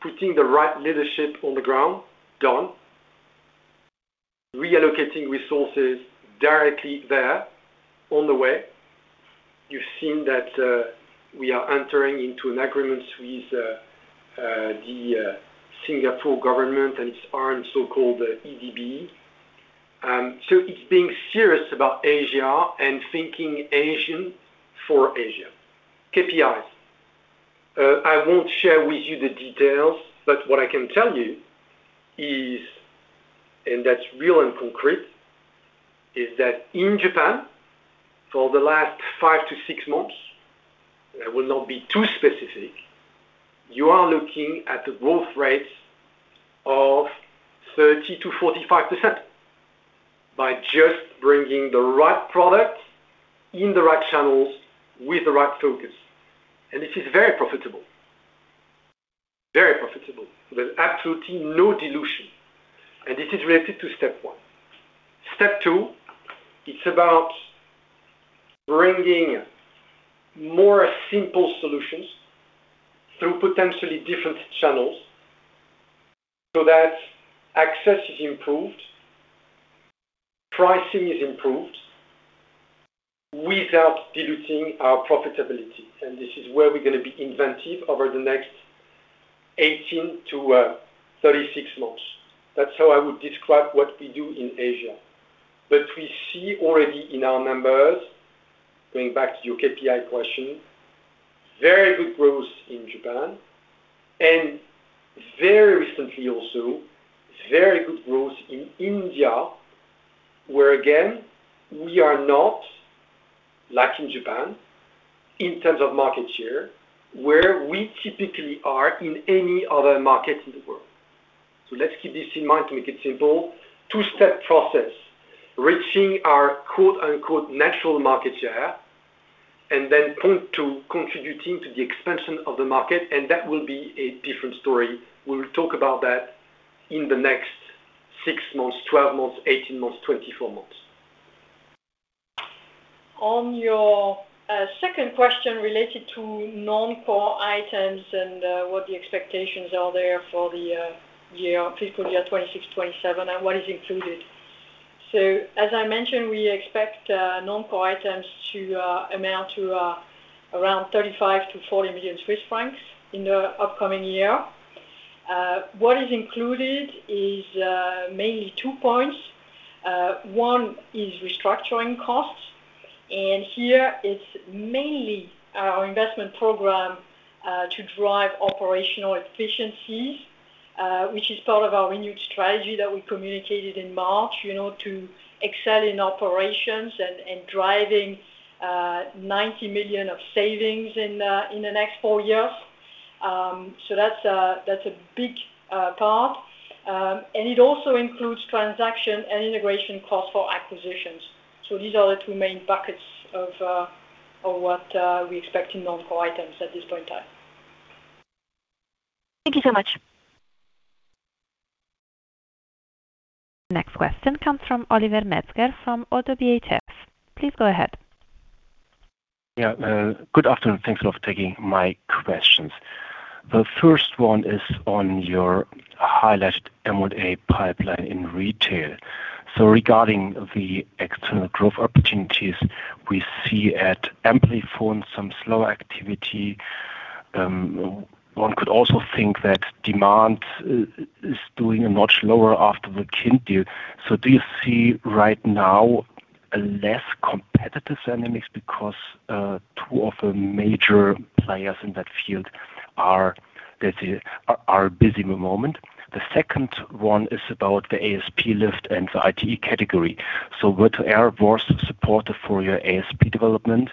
putting the right leadership on the ground. Done. Reallocating resources directly there. On the way. You've seen that we are entering into an agreement with the Singapore government and its arm, so-called EDB. It's being serious about Asia and thinking Asian for Asia. KPIs. I won't share with you the details, but what I can tell you is, and that's real and concrete, is that in Japan, for the last five to six months, I will not be too specific, you are looking at a growth rate of 30%-45% by just bringing the right product in the right channels with the right focus. This is very profitable. Very profitable. There's absolutely no dilution. This is related to step one. Step two, it's about bringing more simple solutions through potentially different channels so that access is improved, pricing is improved without diluting our profitability. This is where we're gonna be inventive over the next 18-36 months. That's how I would describe what we do in Asia. We see already in our numbers, going back to your KPI question, very good growth in Japan and very recently also, very good growth in India, where again, we are not like in Japan, in terms of market share, where we typically are in any other market in the world. Let's keep this in mind to make it simple. Two-step process, reaching our quote-unquote "natural market share," and then point to contributing to the expansion of the market, and that will be a different story. We'll talk about that in the next six months, 12 months, 18 months, 24 months. On your second question related to non-core items and what the expectations are there for the year, fiscal year 2026, 2027, and what is included. As I mentioned, we expect non-core items to amount to around 35 million-40 million Swiss francs in the upcoming year. What is included is mainly two points. One is restructuring costs, and here it's mainly our investment program to drive operational efficiencies, which is part of our renewed strategy that we communicated in March, you know, to excel in operations and driving 90 million of savings in the next four years. That's a big part. It also includes transaction and integration costs for acquisitions. These are the two main buckets of what we expect in non-core items at this point in time. Thank you so much. Next question comes from Oliver Metzger from Oddo BHF. Please go ahead. Good afternoon. Thanks a lot for taking my questions. The first one is on your highlighted M&A pipeline in retail. Regarding the external growth opportunities, we see at Amplifon some slow activity. One could also think that demand is doing much lower after the Kind deal. Do you see right now a less competitive dynamics because two of the major players in that field are, let's say, are busy at the moment? The second one is about the ASP lift and the ITE category. Virto R was supportive for your ASP development.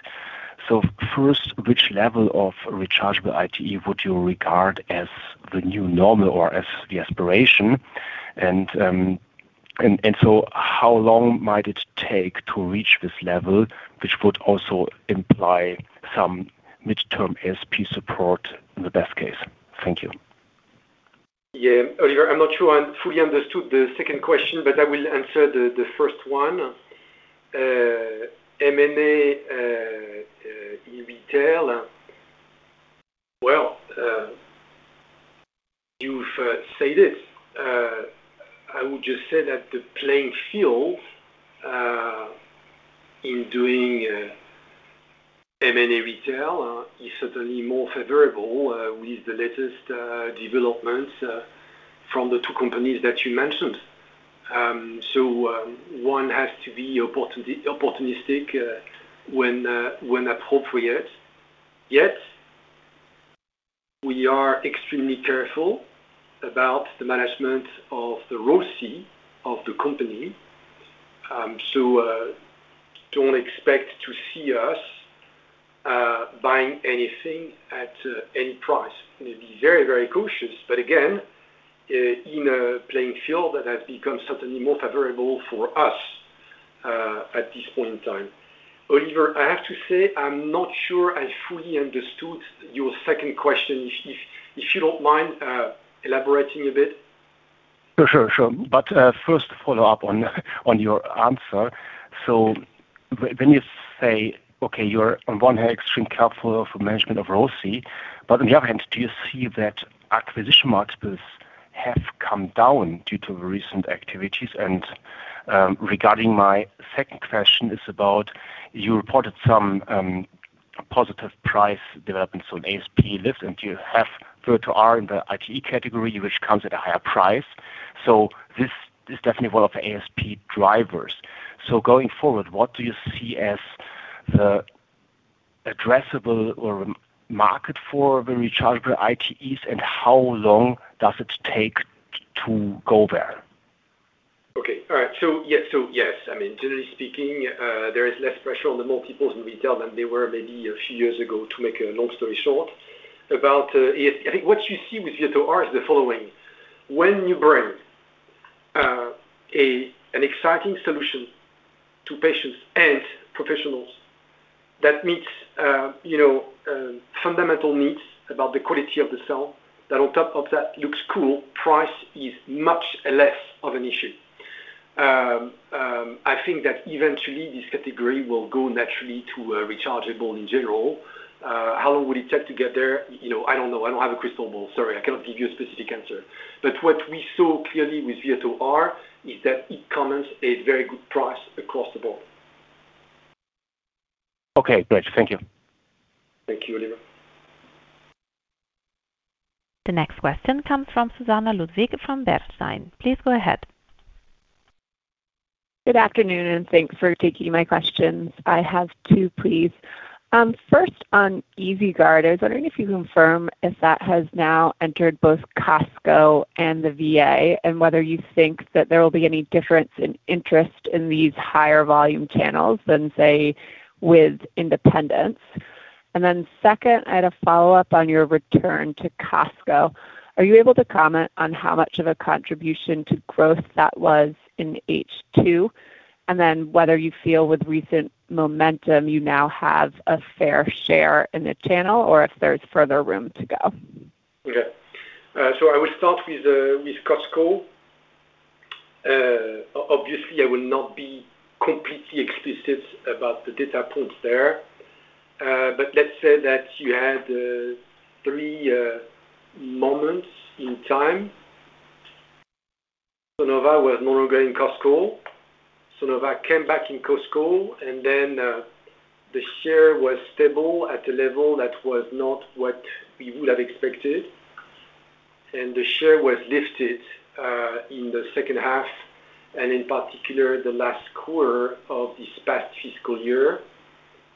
First, which level of rechargeable ITE would you regard as the new normal or as the aspiration? And how long might it take to reach this level, which would also imply some midterm ASP support in the best case? Thank you. Yeah, Oliver, I'm not sure I fully understood the second question, but I will answer the first one. M&A in retail. Well, you've said it. I would just say that the playing field in doing M&A retail is certainly more favorable with the latest developments from the two companies that you mentioned. One has to be opportunistic when appropriate. We are extremely careful about the management of the ROIC of the company. Don't expect to see us buying anything at any price. We'll be very, very cautious, but again, in a playing field that has become certainly more favorable for us at this point in time. Oliver, I have to say, I'm not sure I fully understood your second question. If you don't mind, elaborating a bit. Sure, sure. First follow-up on your answer. When you say, okay, you're on one hand extremely careful of management of ROIC, on the other hand, do you see that acquisition multiples have come down due to the recent activities? Regarding my second question is about you reported some positive price developments on ASP lift, and you have VirtuoR in the ITE category, which comes at a higher price. This is definitely one of the ASP drivers. Going forward, what do you see as the addressable or market for the rechargeable ITEs, and how long does it take to go there? Okay. All right. Yes, I mean, generally speaking, there is less pressure on the multiples in retail than they were maybe a few years ago to make a long story short. About, I think what you see with Virto R is the following: when you bring an exciting solution to patients and professionals that meets, you know, fundamental needs about the quality of the sound that on top of that looks cool, price is much less of an issue. I think that eventually this category will go naturally to a rechargeable in general. How long would it take to get there? You know, I don't know. I don't have a crystal ball. Sorry, I cannot give you a specific answer. What we saw clearly with Virto R is that it commands a very good price across the board. Okay, great. Thank you. Thank you, Oliver. The next question comes from Susannah Ludwig from Bernstein. Please go ahead. Good afternoon. Thanks for taking my questions. I have two, please. First on EasyGuard, I was wondering if you confirm if that has now entered both Costco and the VA, and whether you think that there will be any difference in interest in these higher volume channels than, say, with independents. Second, I had a follow-up on your return to Costco. Are you able to comment on how much of a contribution to growth that was in H2? Whether you feel with recent momentum, you now have a fair share in the channel or if there's further room to go. Okay. I will start with Costco. I will not be completely explicit about the data points there. Let's say that you had three moments in time. Sonova was no longer in Costco. Sonova came back in Costco, the share was stable at a level that was not what we would have expected. The share was lifted in the second half, and in particular, the last quarter of this past fiscal year.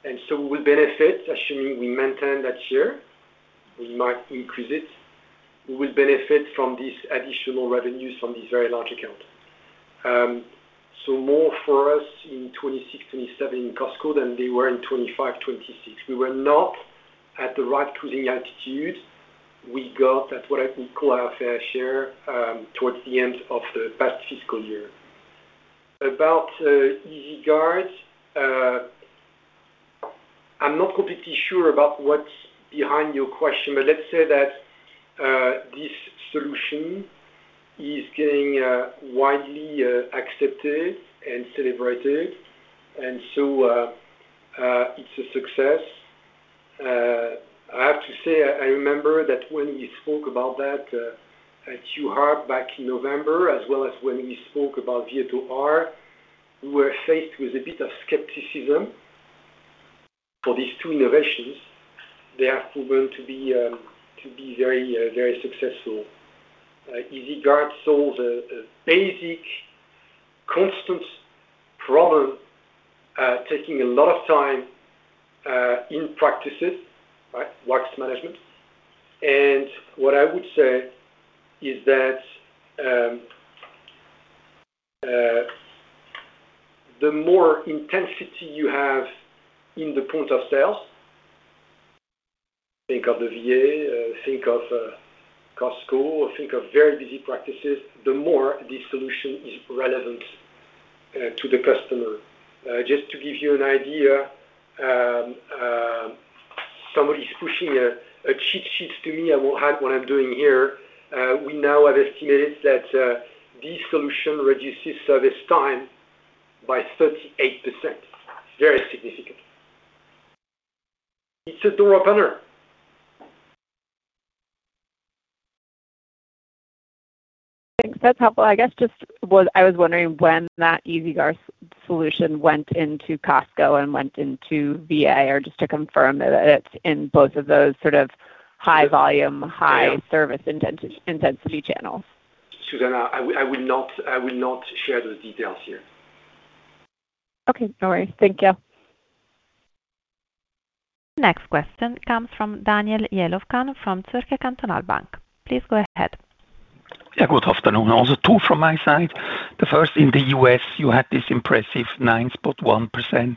We will benefit, assuming we maintain that share, we might increase it. We will benefit from this additional revenues from this very large account. More for us in 2026, 2027 Costco than they were in 2025, 2026. We were not at the right pricing attitude. We got at what I would call our fair share towards the end of the past fiscal year. About EasyGuard, I'm not completely sure about what's behind your question, but let's say that this solution is getting widely accepted and celebrated. It's a success. I have to say, I remember that when we spoke about that at EUHA back in November, as well as when we spoke about Via 2 R, we were faced with a bit of skepticism for these two innovations. They have proven to be very successful. EasyGuard solves a basic constant problem, taking a lot of time in practices, right? Wax management. What I would say is that the more intensity you have in the point of sales, think of the VA, think of Costco, or think of very busy practices, the more this solution is relevant to the customer. Just to give you an idea, somebody's pushing a cheat sheet to me. I won't hide what I'm doing here. We now have estimated that this solution reduces service time by 38%. Very significant. It's a door opener. Thanks. That's helpful. I guess I was wondering when that EasyGuard solution went into Costco and went into VA or just to confirm that it's in both of those sort of high volume, high service intensity channels. Susannah, I will not share those details here. Okay. No worries. Thank you. Next question comes from Daniel Jelovcan from Zürcher Kantonalbank. Please go ahead. Yeah, good afternoon. Also two from my side. The first in the U.S., you had this impressive 9.1%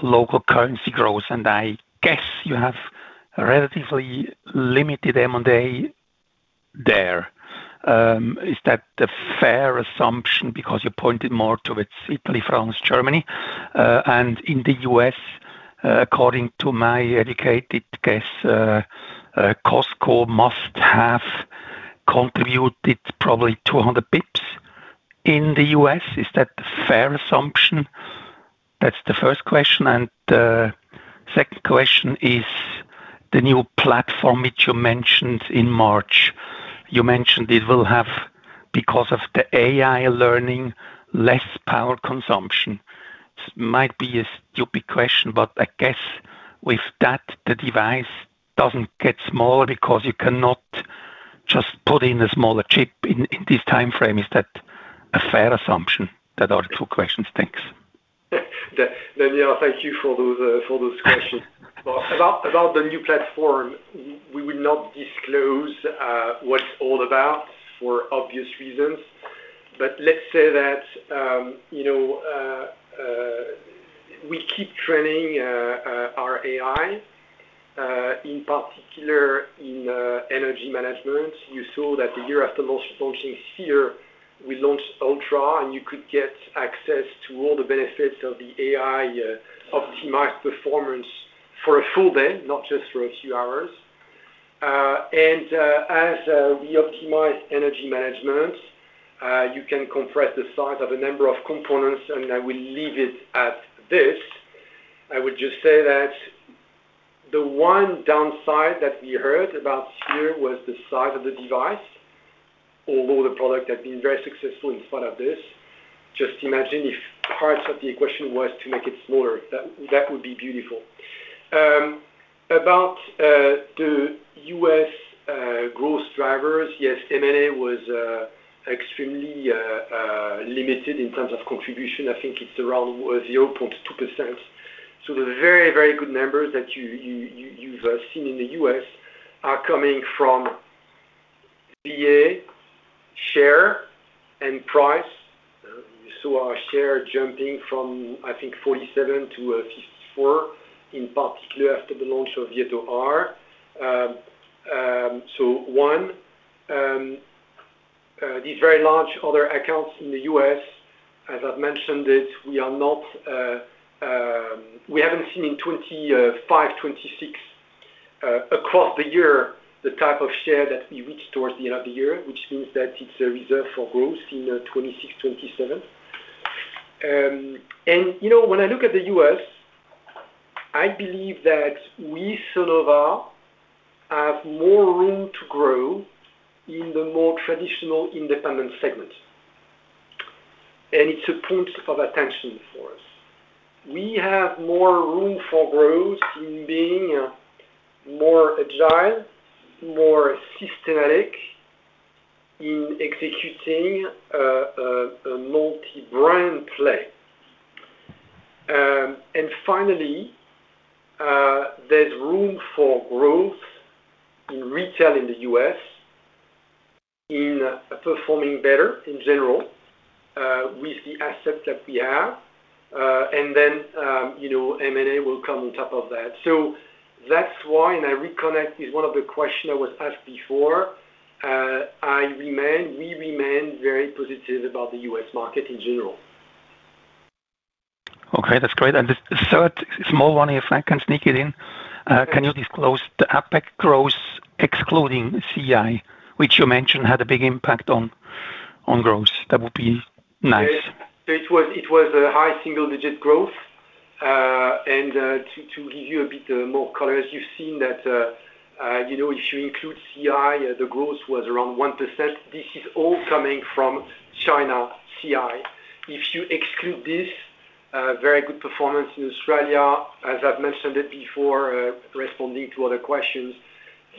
local currency growth. I guess you have relatively limited M&A there. Is that a fair assumption because you pointed more towards Italy, France, Germany. In the U.S., according to my educated guess, Costco must have contributed probably 200 basis points in the U.S. Is that a fair assumption? That's the first question. Second question is the new platform which you mentioned in March. You mentioned it will have, because of the AI learning, less power consumption. Might be a stupid question. I guess with that, the device doesn't get smaller because you cannot just put in a smaller chip in this timeframe. Is that a fair assumption? That are two questions. Thanks. Daniel, thank you for those questions. About the new platform, we will not disclose what it's all about for obvious reasons. Let's say that, you know, we keep training our AI, in particular in energy management. You saw that the year after launching Sphere, we launched Ultra, and you could get access to all the benefits of the AI optimized performance for a full day, not just for a few hours. As we optimize energy management, you can compress the size of a number of components, and I will leave it at this. I would just say that the one downside that we heard about Sphere was the size of the device, although the product had been very successful in spite of this. Just imagine if parts of the equation was to make it smaller. That would be beautiful. Drivers, yes, M&A was extremely limited in terms of contribution. I think it's around 0.2%. The very good numbers that you've seen in the U.S. are coming from VA share and price. You saw our share jumping from, I think 47-54, in particular after the launch of Virto R. One, these very large other accounts in the U.S., as I've mentioned it, we haven't seen in 2025, 2026 across the year, the type of share that we reached towards the end of the year, which means that it's a reserve for growth in 2026, 2027. You know, when I look at the U.S., I believe that we, Sonova, have more room to grow in the more traditional independent segment. It's a point of attention for us. We have more room for growth in being more agile, more systematic in executing a multi-brand play. Finally, there's room for growth in retail in the U.S., in performing better in general with the assets that we have. Then, you know, M&A will come on top of that. That's why, and I reconnect with one of the question I was asked before, we remain very positive about the U.S. market in general. Okay, that's great. Just a third small one here, if I can sneak it in. Yes. Can you disclose the APAC growth excluding CI, which you mentioned had a big impact on growth? That would be nice. Yes. It was a high single-digit growth. And to give you a bit more color, as you've seen that, you know, if you include CI, the growth was around 1%. This is all coming from China CI. If you exclude this, very good performance in Australia, as I've mentioned it before, responding to other questions,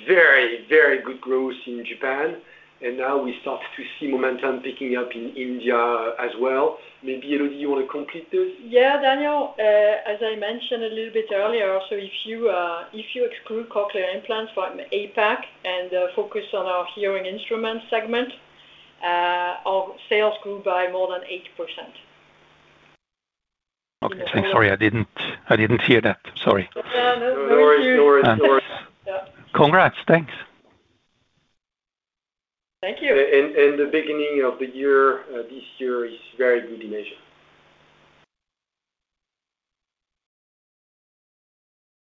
very good growth in Japan. Now we start to see momentum picking up in India as well. Maybe, Elodie, you want to complete this? Daniel, as I mentioned a little bit earlier, if you exclude cochlear implants from APAC and focus on our hearing instrument segment, our sales grew by more than 8%. Okay, thanks. Sorry, I didn't hear that. Sorry. Yeah, no, it's true. No worries. Yeah. Congrats. Thanks. Thank you. And the beginning of the year, this year is very good in Asia.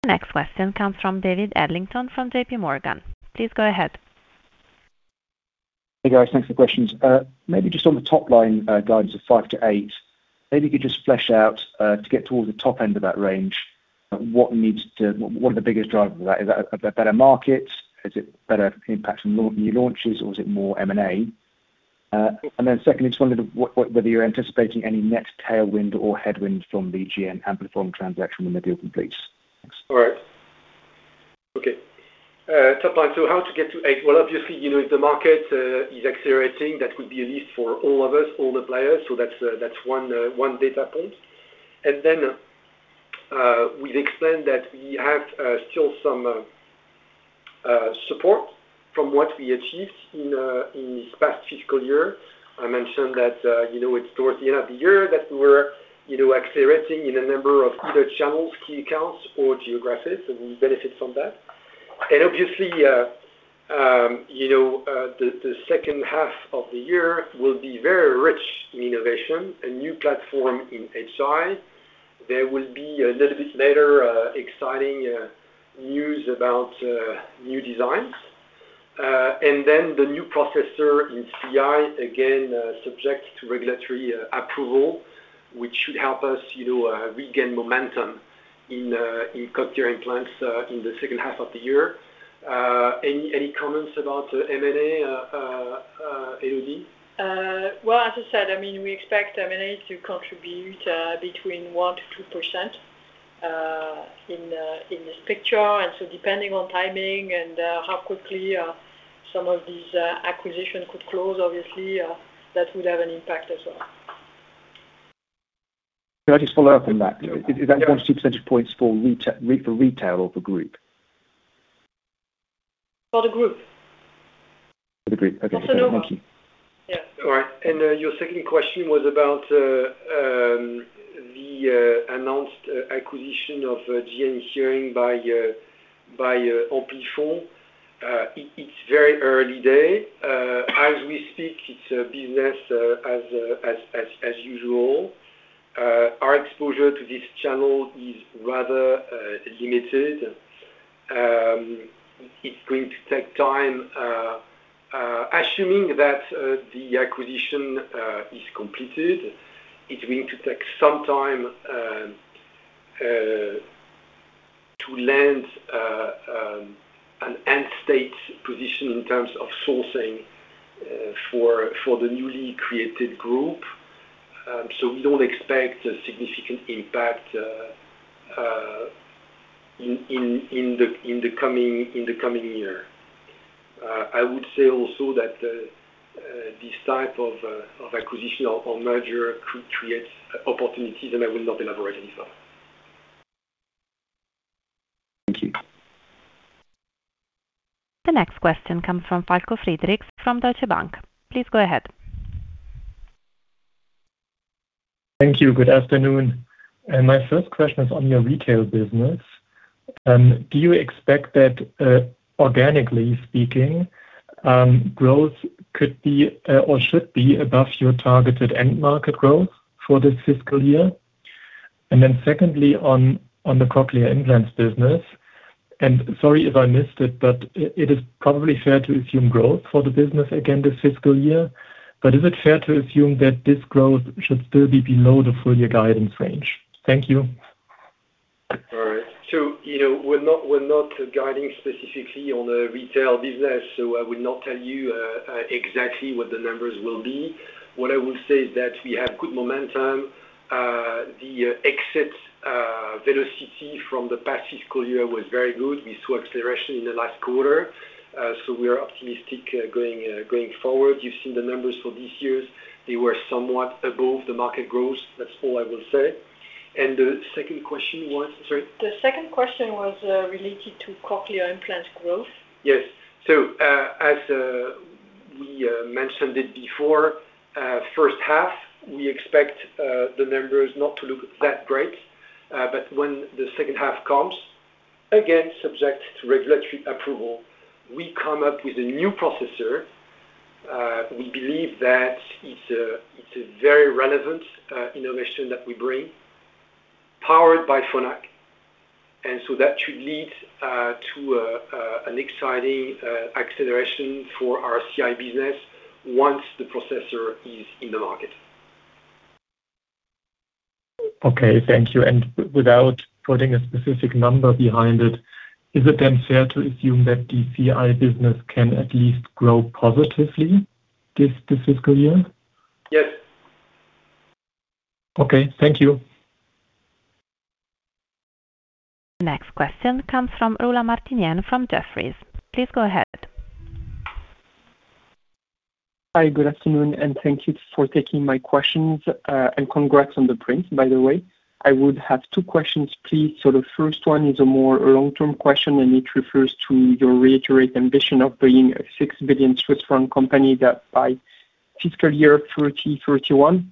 The next question comes from David Adlington from JPMorgan. Please go ahead. Hey, guys. Thanks for the questions. Maybe just on the top line, guidance of 5%-8%, maybe you could just flesh out, to get towards the top end of that range, what are the biggest drivers of that? Is that a better market? Is it better impact from new launches, or is it more M&A? Secondly, just wondering what whether you're anticipating any net tailwind or headwind from the GN Amplifon transaction when the deal completes. Thanks. All right. Okay. Top line, how to get to eight? Well, obviously, you know, if the market is accelerating, that could be a lift for all of us, all the players. That's, that's one data point. We've explained that we have still some support from what we achieved in this past fiscal year. I mentioned that, you know, it's towards the end of the year that we were, you know, accelerating in a number of other channels, key accounts or geographies. We benefit from that. Obviously, you know, the second half of the year will be very rich in innovation, a new platform in HI. There will be a little bit later, exciting news about new designs. The new processor in CI, again, subject to regulatory approval, which should help us, you know, regain momentum in cochlear implants in the second half of the year. Any comments about M&A, Elodie? Well, as I said, I mean, we expect M&A to contribute between 1%-2% in this picture. Depending on timing and how quickly some of these acquisition could close, obviously, that would have an impact as well. Can I just follow up on that? Yeah. Is that one to two percentage points for retail or for group? For the group. For the group. Okay. For Sonova. Thank you. Yeah. All right. Your second question was about the announced acquisition of GN Hearing by Amplifon. It's very early day. As we speak, it's business as usual. Our exposure to this channel is rather limited. It's going to take time. Assuming that the acquisition is completed, it's going to take some time to land an end state position in terms of sourcing for the newly created group. We don't expect a significant impact in the coming year. I would say also that this type of acquisition or merger could create opportunities, and I will not elaborate any further. Thank you. The next question comes from Falko Friedrichs from Deutsche Bank. Please go ahead. Thank you. Good afternoon. My first question is on your retail business. Do you expect that organically speaking, growth could be or should be above your targeted end market growth for this fiscal year? Secondly, on the cochlear implants business, and sorry if I missed it, but it is probably fair to assume growth for the business again this fiscal year. Is it fair to assume that this growth should still be below the full year guidance range? Thank you. All right. You know, we're not, we're not guiding specifically on the retail business, I would not tell you exactly what the numbers will be. What I will say is that we have good momentum. The exit, velocity from the past fiscal year was very good. We saw acceleration in the last quarter, we are optimistic, going forward. You've seen the numbers for this year. They were somewhat above the market growth. That's all I will say. The second question was, sorry? The second question was related to cochlear implant growth. Yes. As we mentioned it before, first half, we expect the numbers not to look that great. When the second half comes, again, subject to regulatory approval, we come up with a new processor. We believe that it's a very relevant innovation that we bring, powered by Phonak. That should lead to an exciting acceleration for our CI business once the processor is in the market. Okay, thank you. Without putting a specific number behind it, is it then fair to assume that the CI business can at least grow positively this fiscal year? Yes. Okay. Thank you. Next question comes from Rula Martinien from Jefferies. Please go ahead. Hi, good afternoon, and thank you for taking my questions, and congrats on the print, by the way. I would have two questions, please. The first one is a more long-term question, and it refers to your reiterate ambition of being a 6 billion Swiss franc company by FY 2031,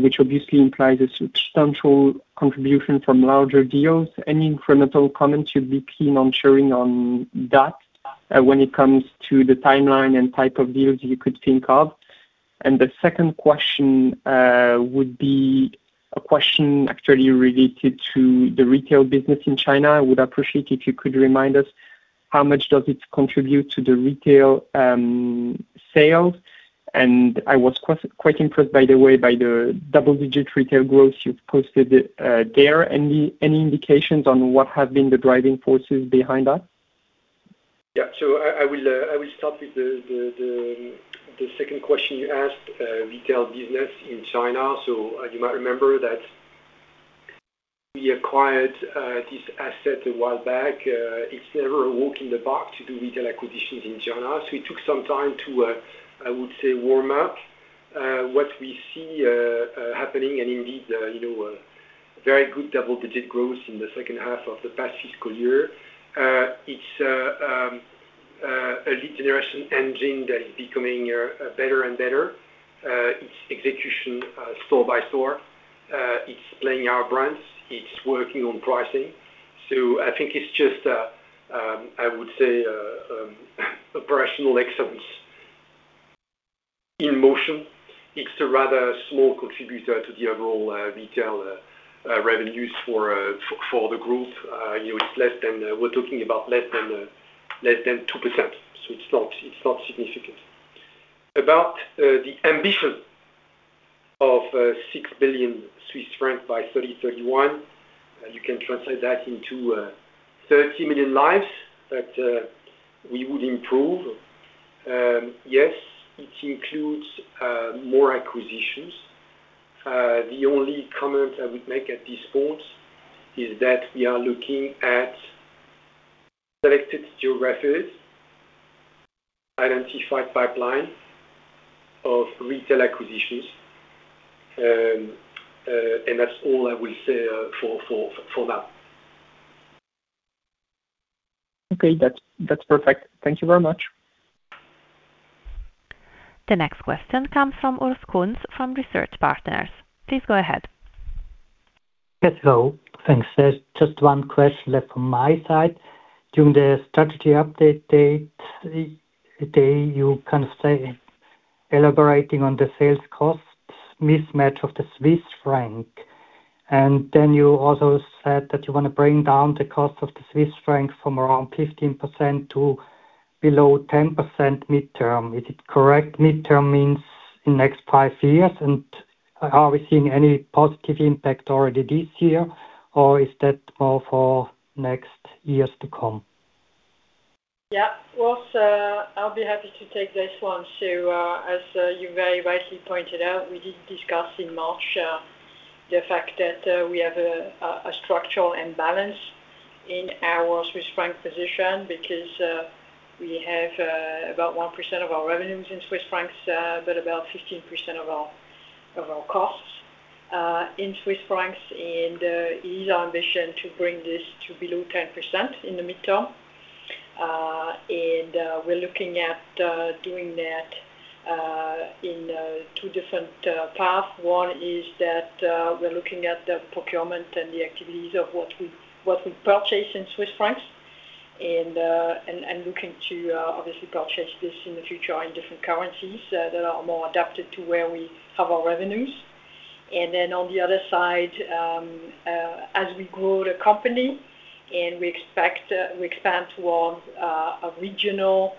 which obviously implies a substantial contribution from larger deals. Any incremental comments you'd be keen on sharing on that when it comes to the timeline and type of deals you could think of? The second question would be a question actually related to the retail business in China. I would appreciate if you could remind us how much does it contribute to the retail sales. I was quite impressed, by the way, by the double-digit retail growth you've posted there. Any indications on what have been the driving forces behind that? Yeah. I will, I will start with the second question you asked, retail business in China. You might remember that we acquired this asset a while back. It's never a walk in the park to do retail acquisitions in China. It took some time to, I would say, warm up. What we see happening and indeed, you know, a very good double-digit growth in the second half of the past fiscal year. It's a lead generation engine that is becoming better and better. It's execution, store by store. It's playing our brands. It's working on pricing. I think it's just, I would say, operational excellence in motion. It's a rather small contributor to the overall retail revenues for the group. You know, it's less than, we're talking about less than 2%, so it's not, it's not significant. About the ambition of 6 billion Swiss francs by 2031, you can translate that into 30 million lives that we would improve. Yes, it includes more acquisitions. The only comment I would make at this point is that we are looking at selected geographies, identified pipeline of retail acquisitions, and that's all I will say for now. Okay. That's perfect. Thank you very much. The next question comes from Urs Kunz from Research Partners. Please go ahead. Yes. Hello. Thanks. There's just one question left from my side. During the strategy update day, you kind of say elaborating on the sales costs mismatch of the Swiss franc. You also said that you wanna bring down the cost of the Swiss franc from around 15% to below 10% midterm. Is it correct midterm means in next five years? Are we seeing any positive impact already this year, or is that more for next years to come? Yeah. Well, sir, I'll be happy to take this one. As you very rightly pointed out, we did discuss in March the fact that we have a structural imbalance in our CHF position because we have about 1% of our revenues in CHF, but about 15% of our costs in CHF. It is our ambition to bring this to below 10% in the midterm. We're looking at doing that in two different path. One is that we're looking at the procurement and the activities of what we purchase in CHF and looking to obviously purchase this in the future in different currencies that are more adapted to where we have our revenues. On the other side, as we grow the company and we expect, we expand towards a regional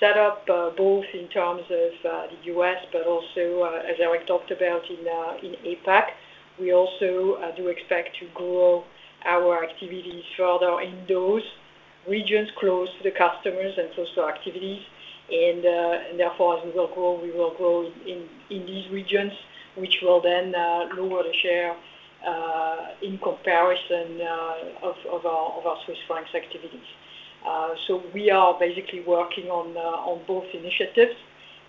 setup, both in terms of the U.S., but also, as Eric talked about in APAC, we also do expect to grow our activities further in those regions close to the customers and social activities. Therefore, as we will grow, we will grow in these regions, which will then lower the share in comparison of our Swiss francs activities. We are basically working on both initiatives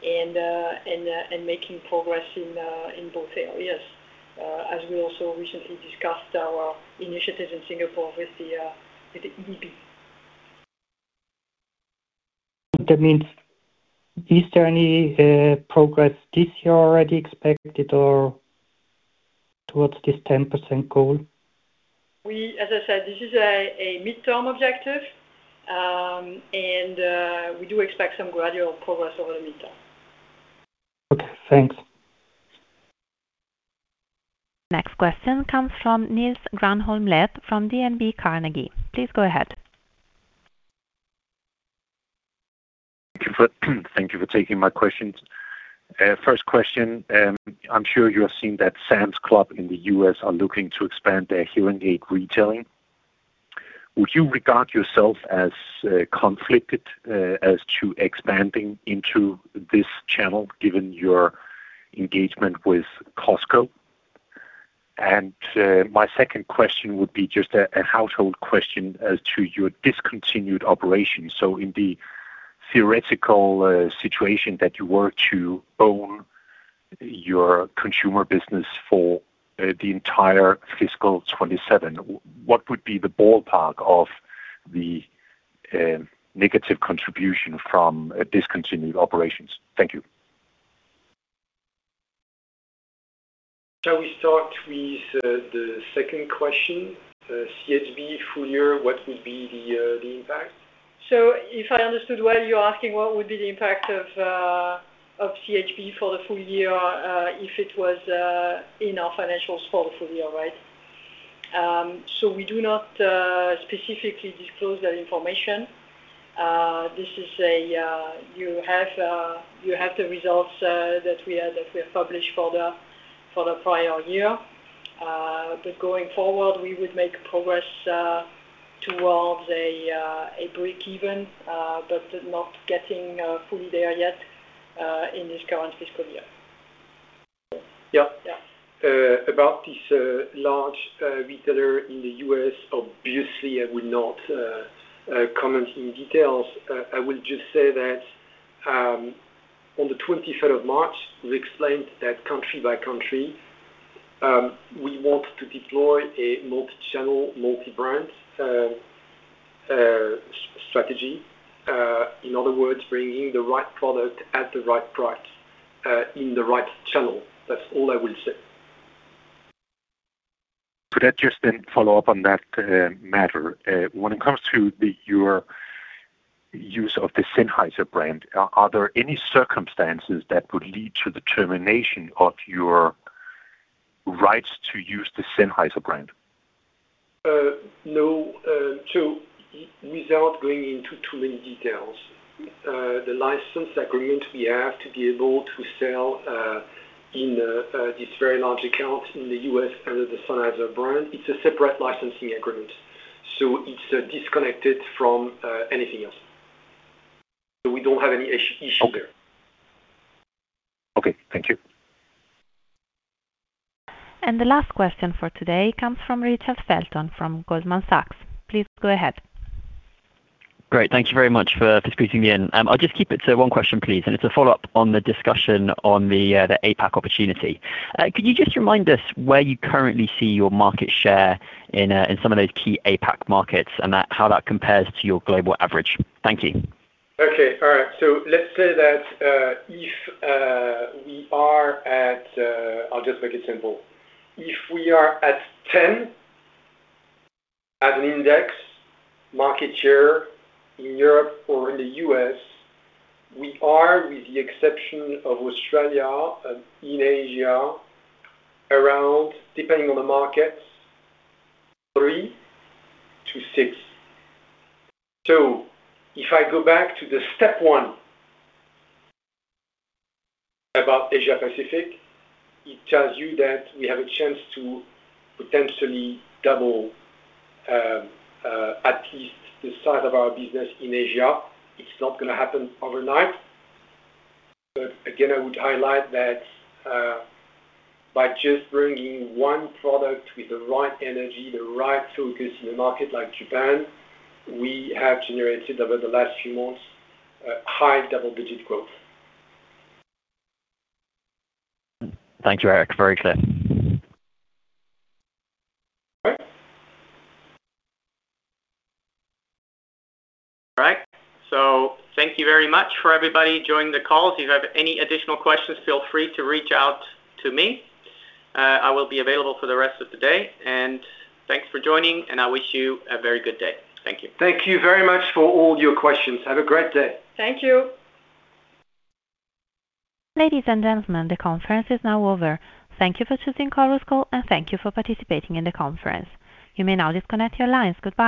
and making progress in both areas, as we also recently discussed our initiatives in Singapore with the EDB. That means is there any progress this year already expected or towards this 10% goal? As I said, this is a midterm objective. We do expect some gradual progress over the midterm. Okay, thanks. Next question comes from Niels Granholm-Leth from DNB Carnegie. Please go ahead. Thank you for taking my questions. First question, I'm sure you have seen that Sam's Club in the U.S. are looking to expand their hearing aid retailing. Would you regard yourself as conflicted as to expanding into this channel given your engagement with Costco? My second question would be just a household question as to your discontinued operations. In the theoretical situation that you were to own your Consumer Hearing business for the entire fiscal 2027, what would be the ballpark of the negative contribution from discontinued operations? Thank you. Shall we start with the second question? CHB full year, what would be the impact? If I understood well, you're asking what would be the impact of CHB for the full year, if it was in our financials for the full year, right? We do not specifically disclose that information. This is, you have the results that we have published for the prior year. Going forward, we would make progress towards a break even, but not getting fully there yet, in this current fiscal year. Yeah. Yeah. About this large retailer in the U.S., obviously, I would not comment in details. I will just say that on the 23rd of March, we explained that country by country, we want to deploy a multi-channel, multi-brand strategy. In other words, bringing the right product at the right price in the right channel. That's all I will say. Could I just then follow up on that matter? When it comes to your use of the Sennheiser brand, are there any circumstances that would lead to the termination of your rights to use the Sennheiser brand? No. Without going into too many details, the license agreement we have to be able to sell, in, this very large account in the U.S. under the Sennheiser brand, it's a separate licensing agreement. It's disconnected from anything else. We don't have any issue there. Okay. Thank you. The last question for today comes from Richard Felton from Goldman Sachs. Please go ahead. Great. Thank you very much for squeezing me in. I'll just keep it to one question, please, and it's a follow-up on the discussion on the APAC opportunity. Could you just remind us where you currently see your market share in some of those key APAC markets and how that compares to your global average? Thank you. Okay. All right. Let's say that if we are at I'll just make it simple. If we are at 10 as an index market share in Europe or in the U.S., we are, with the exception of Australia, in Asia, around, depending on the markets, three-six. If I go back to the step one about Asia Pacific, it tells you that we have a chance to potentially double at least the size of our business in Asia. It's not gonna happen overnight. Again, I would highlight that by just bringing one product with the right energy, the right focus in a market like Japan, we have generated over the last few months, high double-digit growth. Thank you, Eric. Very clear. All right. All right. Thank you very much for everybody joining the call. If you have any additional questions, feel free to reach out to me. I will be available for the rest of the day. Thanks for joining, and I wish you a very good day. Thank you. Thank you very much for all your questions. Have a great day. Thank you. Ladies and gentlemen, the conference is now over. Thank you for choosing Chorus Call, and thank you for participating in the conference. You may now disconnect your lines. Goodbye.